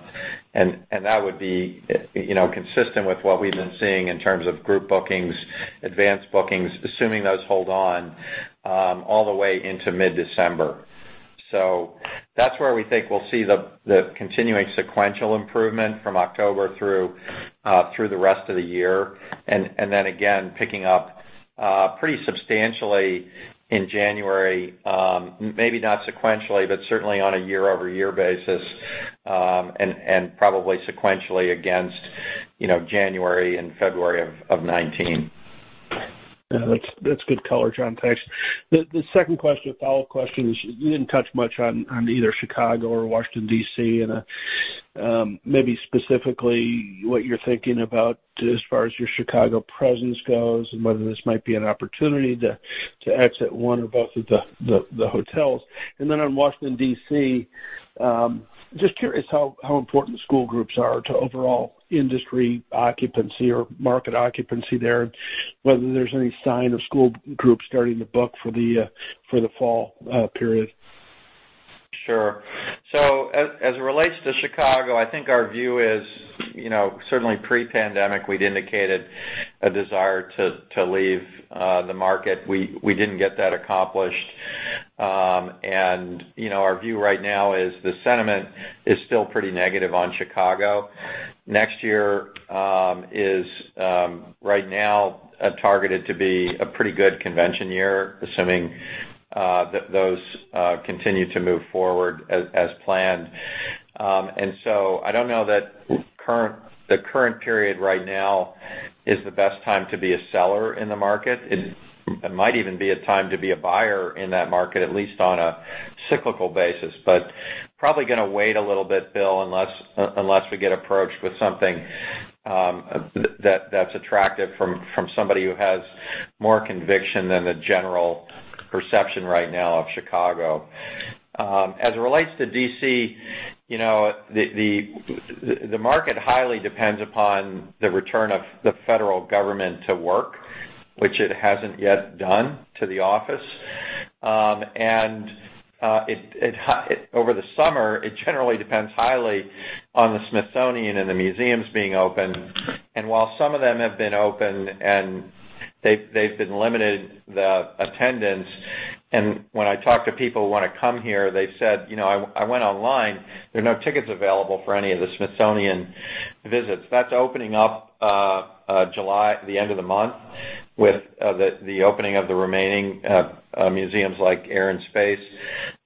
That would be consistent with what we've been seeing in terms of group bookings, advanced bookings, assuming those hold on all the way into mid-December. That's where we think we'll see the continuing sequential improvement from October through the rest of the year. Then again, picking up pretty substantially in January. Maybe not sequentially, but certainly on a year-over-year basis, and probably sequentially against January and February of 2019. Yeah, that's good color, Jon. Thanks. The second question, a follow-up question is, you didn't touch much on either Chicago or Washington, D.C., and maybe specifically what you're thinking about as far as your Chicago presence goes and whether this might be an opportunity to exit one or both of the hotels. On Washington, D.C. Just curious how important school groups are to overall industry occupancy or market occupancy there, whether there's any sign of school groups starting to book for the fall period. Sure. As it relates to Chicago, I think our view is, certainly pre-pandemic, we'd indicated a desire to leave the market. We didn't get that accomplished. Our view right now is the sentiment is still pretty negative on Chicago. Next year is, right now, targeted to be a pretty good convention year, assuming that those continue to move forward as planned. I don't know that the current period right now is the best time to be a seller in the market. It might even be a time to be a buyer in that market, at least on a cyclical basis. Probably going to wait a little bit, Bill, unless we get approached with something that's attractive from somebody who has more conviction than the general perception right now of Chicago. As it relates to D.C., the market highly depends upon the return of the federal government to work, which it hasn't yet done to the office. Over the summer, it generally depends highly on the Smithsonian and the museums being open. While some of them have been open and they've been limited, the attendance, and when I talk to people who want to come here, they said, "I went online. There are no tickets available for any of the Smithsonian visits." That's opening up July, the end of the month, with the opening of the remaining museums like Air and Space.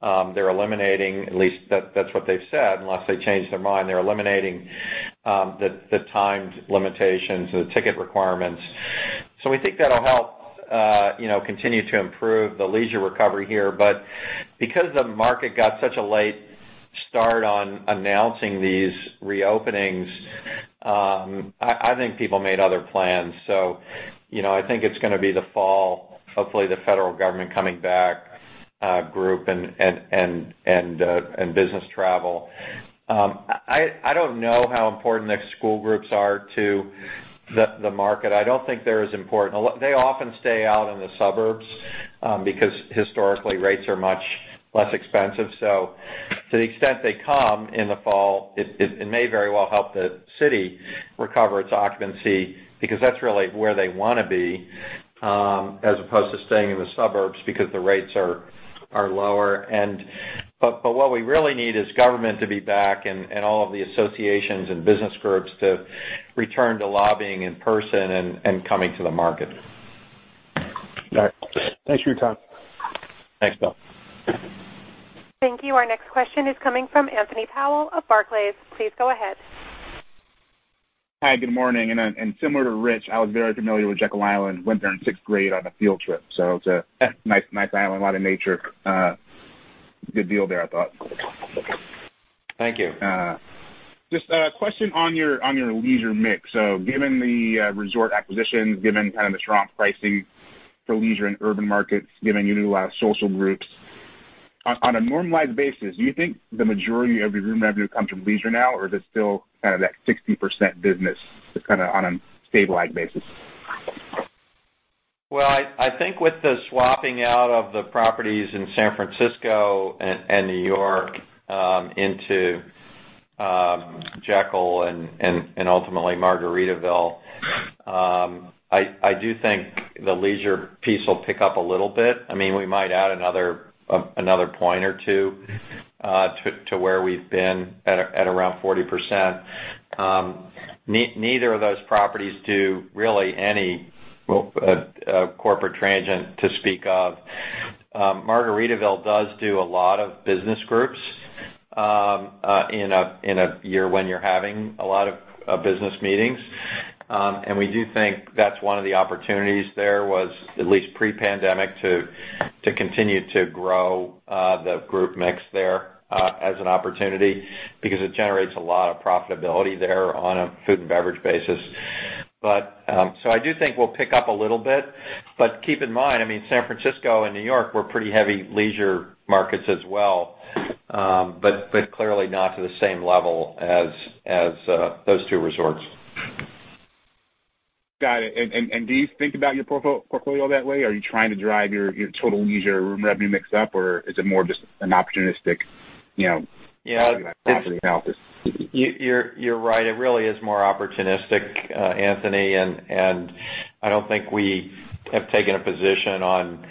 They're eliminating, at least that's what they've said, unless they change their mind, they're eliminating the timed limitations, the ticket requirements. We think that'll help continue to improve the leisure recovery here. Because the market got such a late start on announcing these reopenings, I think people made other plans. I think it's going to be the fall, hopefully, the federal government coming back, group and business travel. I don't know how important the school groups are to the market. I don't think they're as important. They often stay out in the suburbs, because historically, rates are much less expensive. To the extent they come in the fall, it may very well help the city recover its occupancy, because that's really where they want to be, as opposed to staying in the suburbs because the rates are lower. What we really need is government to be back and all of the associations and business groups to return to lobbying in person and coming to the market. All right. Thanks for your time. Thanks, Bill. Thank you. Our next question is coming from Anthony Powell of Barclays. Please go ahead. Hi, good morning. Similar to Rich, I was very familiar with Jekyll Island, went there in sixth grade on a field trip. It's a nice island, a lot of nature. Good deal there, I thought. Thank you. Just a question on your leisure mix. Given the resort acquisitions, given kind of the strong pricing for leisure in urban markets, given you do a lot of social groups, on a normalized basis, do you think the majority of your room revenue comes from leisure now, or is it still kind of that 60% business just kind of on a stabilized basis? Well, I think with the swapping out of the properties in San Francisco and New York into Jekyll and ultimately Margaritaville, I do think the leisure piece will pick up a little bit. We might add another point or two to where we've been at around 40%. Neither of those properties do really any corporate transient to speak of. Margaritaville does do a lot of business groups in a year when you're having a lot of business meetings. We do think that's one of the opportunities there, was at least pre-pandemic, to continue to grow the group mix there as an opportunity because it generates a lot of profitability there on a food and beverage basis. I do think we'll pick up a little bit, but keep in mind, San Francisco and New York were pretty heavy leisure markets as well. Clearly not to the same level as those two resorts. Got it. Do you think about your portfolio that way? Are you trying to drive your total leisure room revenue mix up, or is it more just an opportunistic- Yeah. looking at property analysis? You're right. It really is more opportunistic, Anthony, and I don't think we have taken a position on,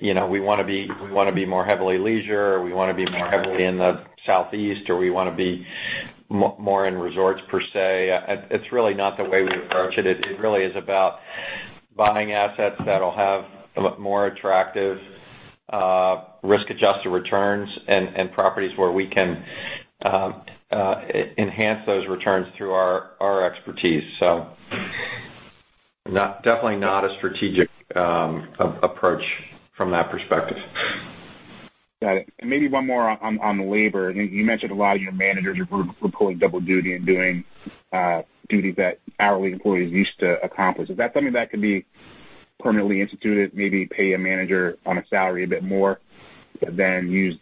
we want to be more heavily leisure, or we want to be more heavily in the Southeast, or we want to be more in resorts per se. It's really not the way we approach it. It really is about buying assets that'll have more attractive risk-adjusted returns and properties where we can enhance those returns through our expertise. Definitely not a strategic approach from that perspective. Got it. Maybe one more on the labor. You mentioned a lot of your managers are pulling double duty and doing duties that hourly employees used to accomplish. Is that something that could be permanently instituted, maybe pay a manager on a salary a bit more than use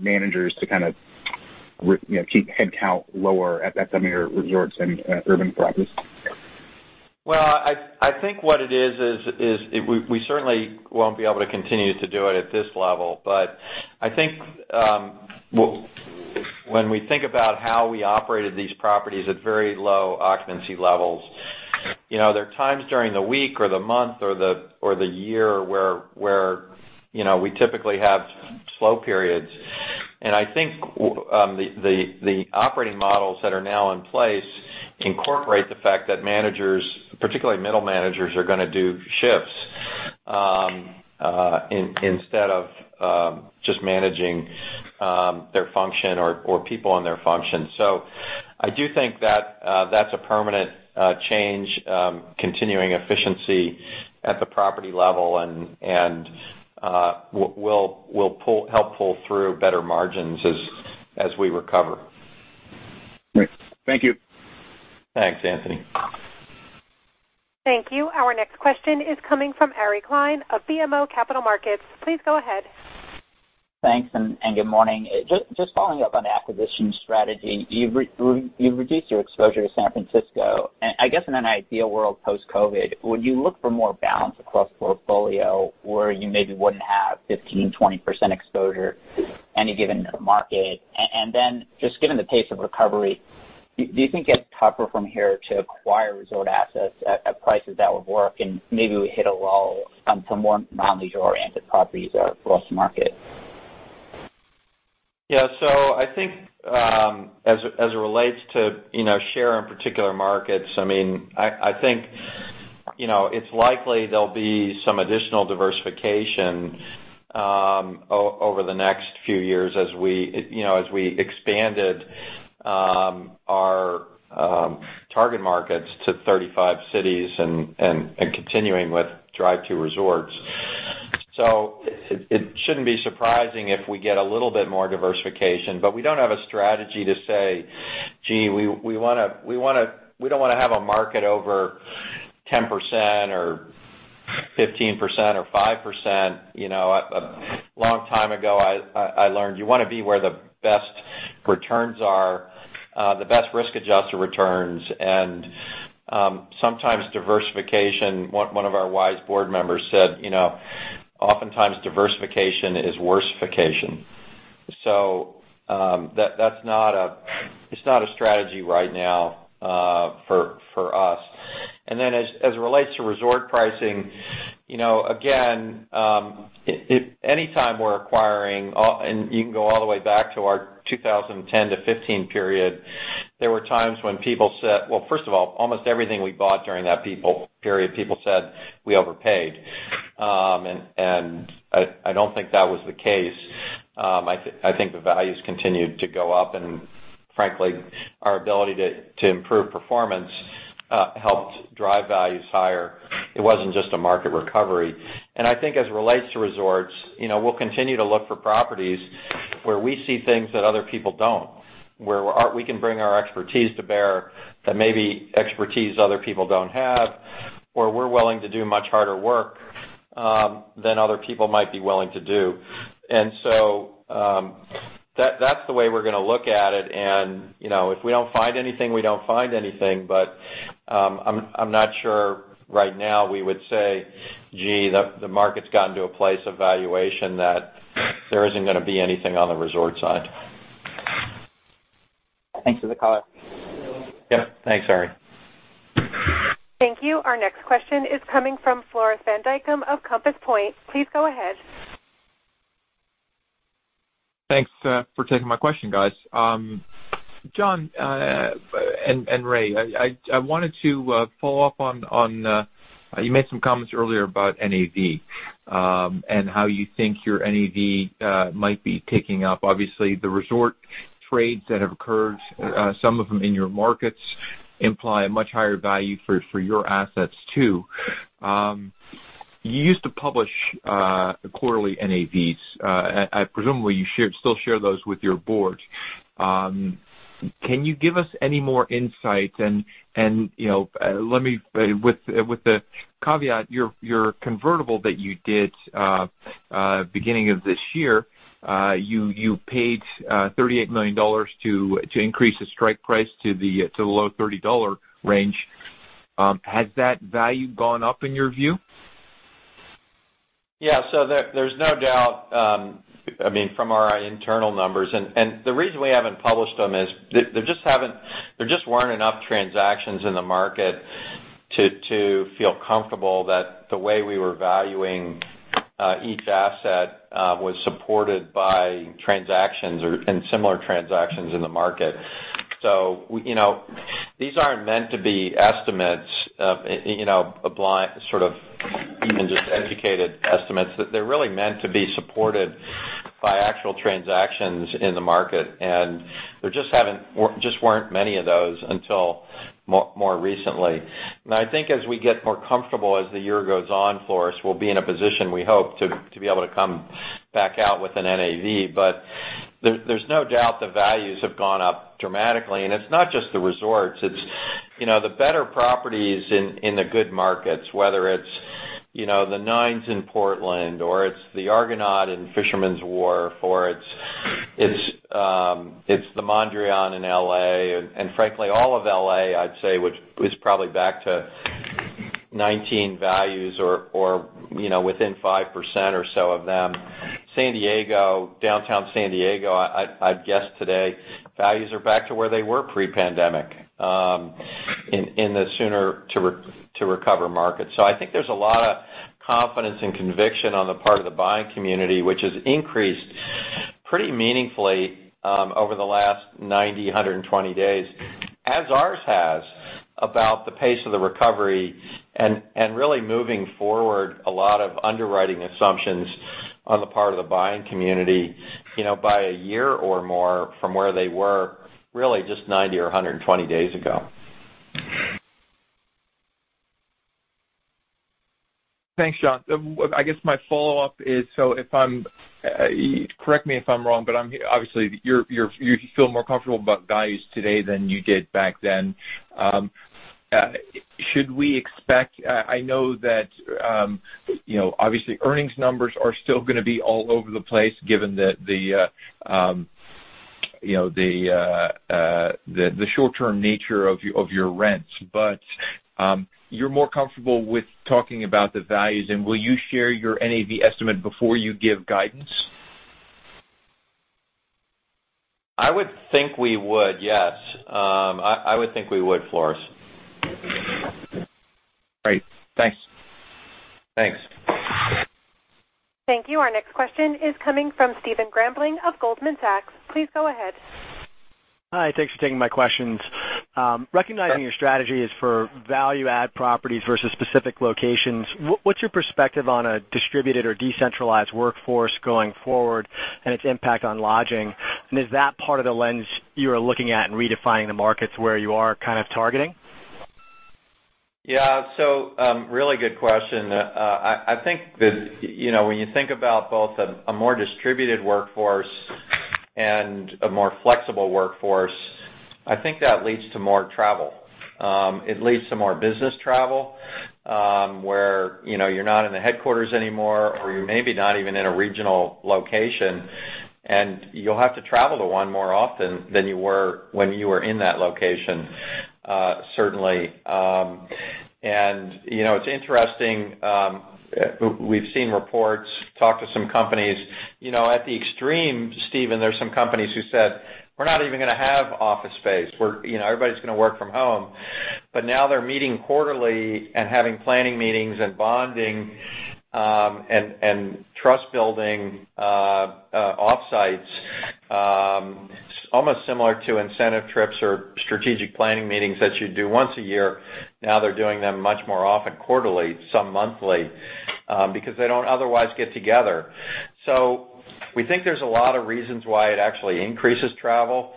managers to kind of keep headcount lower at some of your resorts and urban properties? Well, I think what it is, we certainly won't be able to continue to do it at this level. I think when we think about how we operated these properties at very low occupancy levels, there are times during the week or the month or the year where we typically have slow periods. I think the operating models that are now in place incorporate the fact that managers, particularly middle managers, are going to do shifts, instead of just managing their function or people in their function. I do think that's a permanent change, continuing efficiency at the property level, and will help pull through better margins as we recover. Great. Thank you. Thanks, Anthony. Thank you. Our next question is coming from Ari Klein of BMO Capital Markets. Please go ahead. Thanks, and good morning. Just following up on the acquisition strategy. You've reduced your exposure to San Francisco, and I guess in an ideal world post-COVID, would you look for more balance across the portfolio where you maybe wouldn't have 15, 20% exposure in any given market? Just given the pace of recovery, do you think it's tougher from here to acquire resort assets at prices that would work and maybe we hit a lull on some more non-leisure oriented properties or across the market? Yeah. I think, as it relates to share in particular markets, I think it's likely there'll be some additional diversification over the next few years as we expanded our target markets to 35 cities and continuing with drive to resorts. It shouldn't be surprising if we get a little bit more diversification, but we don't have a strategy to say, "Gee, we don't want to have a market over 10% or 15% or 5%." A long time ago, I learned you want to be where the best returns are, the best risk-adjusted returns. One of our wise board members said, "Oftentimes diversification is worsification." It's not a strategy right now for us. As it relates to resort pricing, again, any time we're acquiring, and you can go all the way back to our 2010-2015 period, there were times when, well, first of all, almost everything we bought during that period, people said we overpaid. I don't think that was the case. I think the values continued to go up, and frankly, our ability to improve performance helped drive values higher. It wasn't just a market recovery. I think as it relates to resorts, we'll continue to look for properties where we see things that other people don't, where we can bring our expertise to bear that maybe expertise other people don't have, or we're willing to do much harder work than other people might be willing to do. That's the way we're going to look at it, and if we don't find anything, we don't find anything, but I'm not sure right now we would say, "Gee, the market's gotten to a place of valuation that there isn't going to be anything on the resort side. Thanks for the color. Yep. Thanks, Ari. Thank you. Our next question is coming from Floris van Dijkum of Compass Point. Please go ahead. Thanks for taking my question, guys. Jon and Ray, I wanted to follow up. You made some comments earlier about NAV, and how you think your NAV might be ticking up. Obviously, the resort trades that have occurred, some of them in your markets imply a much higher value for your assets, too. You used to publish quarterly NAVs. Presumably, you still share those with your board. Can you give us any more insight. With the caveat, your convertible that you did beginning of this year, you paid $38 million to increase the strike price to the low $30 range. Has that value gone up in your view? There's no doubt from our internal numbers. The reason we haven't published them is there just weren't enough transactions in the market to feel comfortable that the way we were valuing each asset was supported by transactions or in similar transactions in the market. These aren't meant to be estimates, even just educated estimates. They're really meant to be supported by actual transactions in the market, and there just weren't many of those until more recently. I think as we get more comfortable as the year goes on, Floris, we'll be in a position we hope to be able to come back out with an NAV. There's no doubt the values have gone up dramatically. It's not just the resorts, it's the better properties in the good markets, whether it's The Nines in Portland or it's The Argonaut in Fisherman's Wharf or it's The Mondrian in L.A., and frankly, all of L.A., I'd say, which is probably back to 2019 values or within 5% or so of them. San Diego, Downtown San Diego, I'd guess today, values are back to where they were pre-pandemic, in the sooner to recover markets. I think there's a lot of confidence and conviction on the part of the buying community, which has increased pretty meaningfully over the last 90-120 days, as ours has, about the pace of the recovery and really moving forward a lot of underwriting assumptions on the part of the buying community by a year or more from where they were, really just 90 or 120 days ago. Thanks, Jon. I guess my follow-up is, correct me if I'm wrong, but obviously you feel more comfortable about values today than you did back then. I know that, obviously earnings numbers are still going to be all over the place given the short-term nature of your rents, but you're more comfortable with talking about the values, and will you share your NAV estimate before you give guidance? I would think we would, yes. I would think we would, Floris. Great, thanks. Thanks. Thank you. Our next question is coming from Stephen Grambling of Goldman Sachs. Please go ahead. Hi, thanks for taking my questions. Sure. Recognizing your strategy is for value add properties versus specific locations, what's your perspective on a distributed or decentralized workforce going forward and its impact on lodging? Is that part of the lens you're looking at in redefining the markets where you are kind of targeting? Yeah. Really good question. I think that when you think about both a more distributed workforce and a more flexible workforce, I think that leads to more travel. It leads to more business travel, where you're not in the headquarters anymore or you're maybe not even in a regional location, and you'll have to travel to one more often than you were when you were in that location, certainly. It's interesting, we've seen reports, talked to some companies. At the extreme, Stephen, there's some companies who said, "We're not even going to have office space. Everybody's going to work from home." Now they're meeting quarterly and having planning meetings and bonding, and trust-building off-sites, almost similar to incentive trips or strategic planning meetings that you'd do once a year. Now they're doing them much more often, quarterly, some monthly, because they don't otherwise get together. We think there's a lot of reasons why it actually increases travel.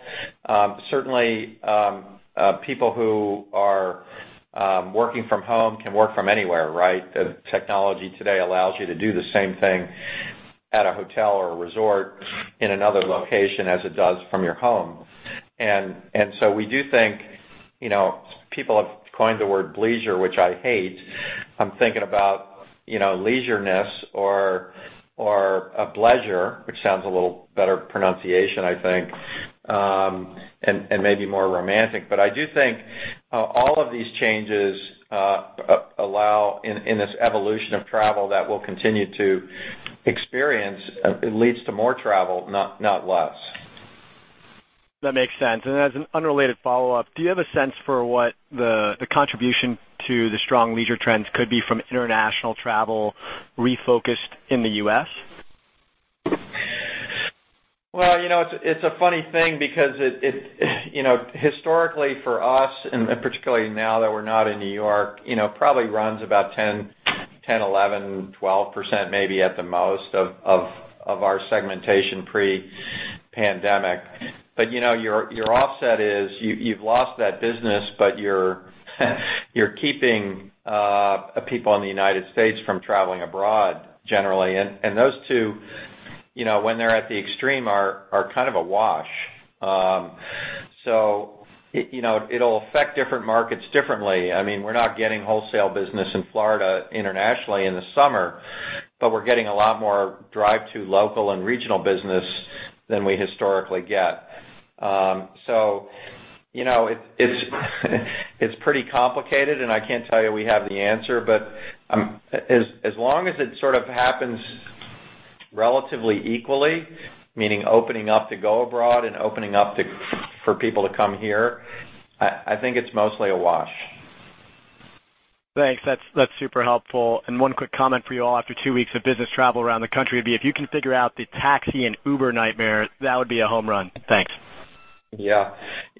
Certainly, people who are working from home can work from anywhere, right? Technology today allows you to do the same thing at a hotel or a resort in another location as it does from your home. We do think, people have coined the word bleisure, which I hate. I'm thinking about leisureness or a pleasure, which sounds a little better pronunciation, I think, and maybe more romantic. I do think all of these changes allow, in this evolution of travel that we'll continue to experience, it leads to more travel, not less. That makes sense. As an unrelated follow-up, do you have a sense for what the contribution to the strong leisure trends could be from international travel refocused in the U.S.? It's a funny thing because historically for us, and particularly now that we're not in New York, probably runs about 10%, 11%, 12%, maybe at the most of our segmentation pre-pandemic. Your offset is you've lost that business, but you're keeping people in the United States from traveling abroad generally. Those two, when they're at the extreme, are kind of a wash. It'll affect different markets differently. We're not getting wholesale business in Florida internationally in the summer, but we're getting a lot more drive to local and regional business than we historically get. It's pretty complicated, and I can't tell you we have the answer, as long as it sort of happens relatively equally, meaning opening up to go abroad and opening up for people to come here, I think it's mostly a wash. Thanks. That's super helpful. One quick comment for you all after two weeks of business travel around the country would be, if you can figure out the taxi and Uber nightmare, that would be a home run. Thanks. Yeah.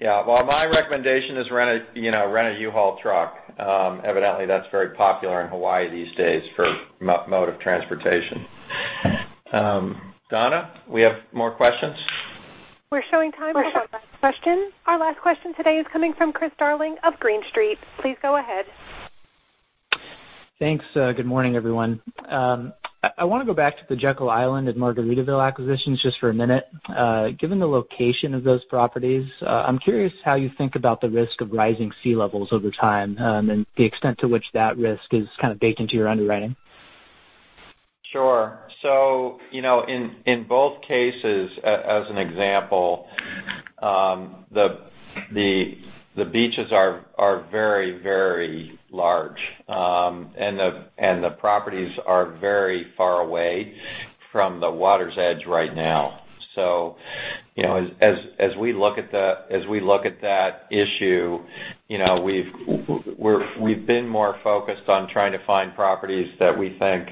Well, my recommendation is rent a U-Haul truck. Evidently that's very popular in Hawaii these days for mode of transportation. Donna, we have more questions? We're showing time for some last questions. Our last question today is coming from Chris Darling of Green Street. Please go ahead. Thanks. Good morning, everyone. I want to go back to the Jekyll Island and Margaritaville acquisitions just for a minute. Given the location of those properties, I'm curious how you think about the risk of rising sea levels over time, and the extent to which that risk is kind of baked into your underwriting. Sure. In both cases, as an example, the beaches are very large, and the properties are very far away from the water's edge right now. As we look at that issue, we've been more focused on trying to find properties that we think,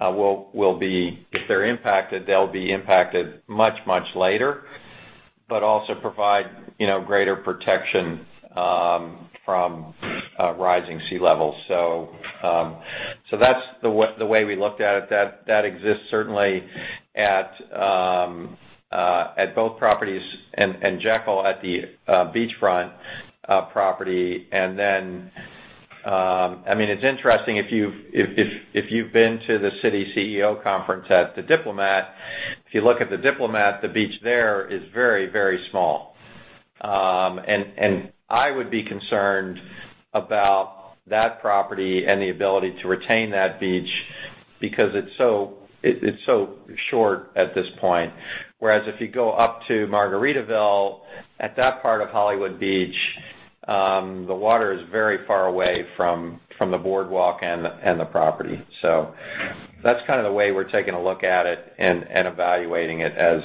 if they're impacted, they'll be impacted much later, but also provide greater protection from rising sea levels. That's the way we looked at it. That exists certainly at both properties and Jekyll at the beachfront property. It's interesting, if you've been to the Citi CEO conference at the Diplomat, if you look at the Diplomat, the beach there is very small. I would be concerned about that property and the ability to retain that beach because it's so short at this point. Whereas if you go up to Margaritaville, at that part of Hollywood Beach, the water is very far away from the boardwalk and the property. That's kind of the way we're taking a look at it and evaluating it as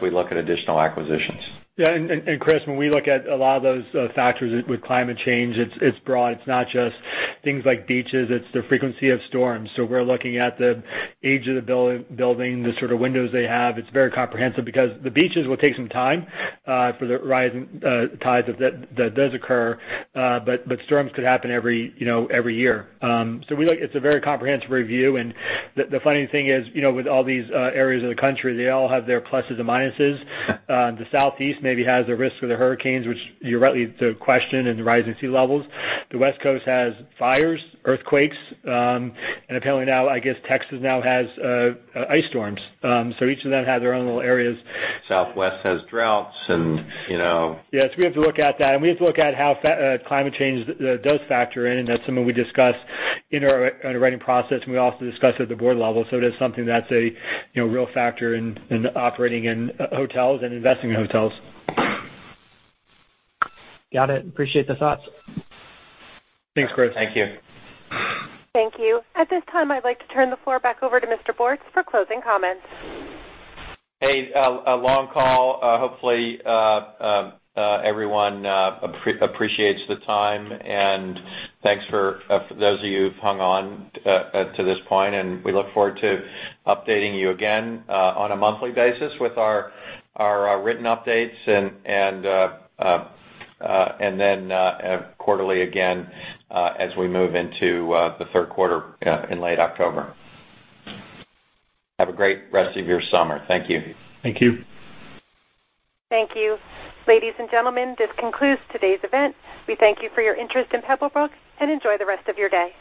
we look at additional acquisitions. Yeah. Chris, when we look at a lot of those factors with climate change, it's broad. It's not just things like beaches, it's the frequency of storms. We're looking at the age of the building, the sort of windows they have. It's very comprehensive because the beaches will take some time, for the rising tides, if that does occur. Storms could happen every year. It's a very comprehensive review, and the funny thing is, with all these areas of the country, they all have their pluses and minuses. The Southeast maybe has a risk for the hurricanes, which you're right to question, and the rising sea levels. The West Coast has fires, earthquakes, and apparently now, I guess Texas now has ice storms. Each of them have their own little areas. Southwest has droughts. Yes, we have to look at that. We have to look at how climate change does factor in. That's something we discuss in our underwriting process. We also discuss at the board level. It is something that's a real factor in operating in hotels and investing in hotels. Got it. Appreciate the thoughts. Thanks, Chris. Thank you. Thank you. At this time, I'd like to turn the floor back over to Mr. Bortz for closing comments. Hey, a long call. Hopefully, everyone appreciates the time, and thanks for those of you who've hung on to this point, and we look forward to updating you again, on a monthly basis with our written updates, and then quarterly again, as we move into the third quarter in late October. Have a great rest of your summer. Thank you. Thank you. Thank you. Ladies and gentlemen, this concludes today's event. We thank you for your interest in Pebblebrook, and enjoy the rest of your day.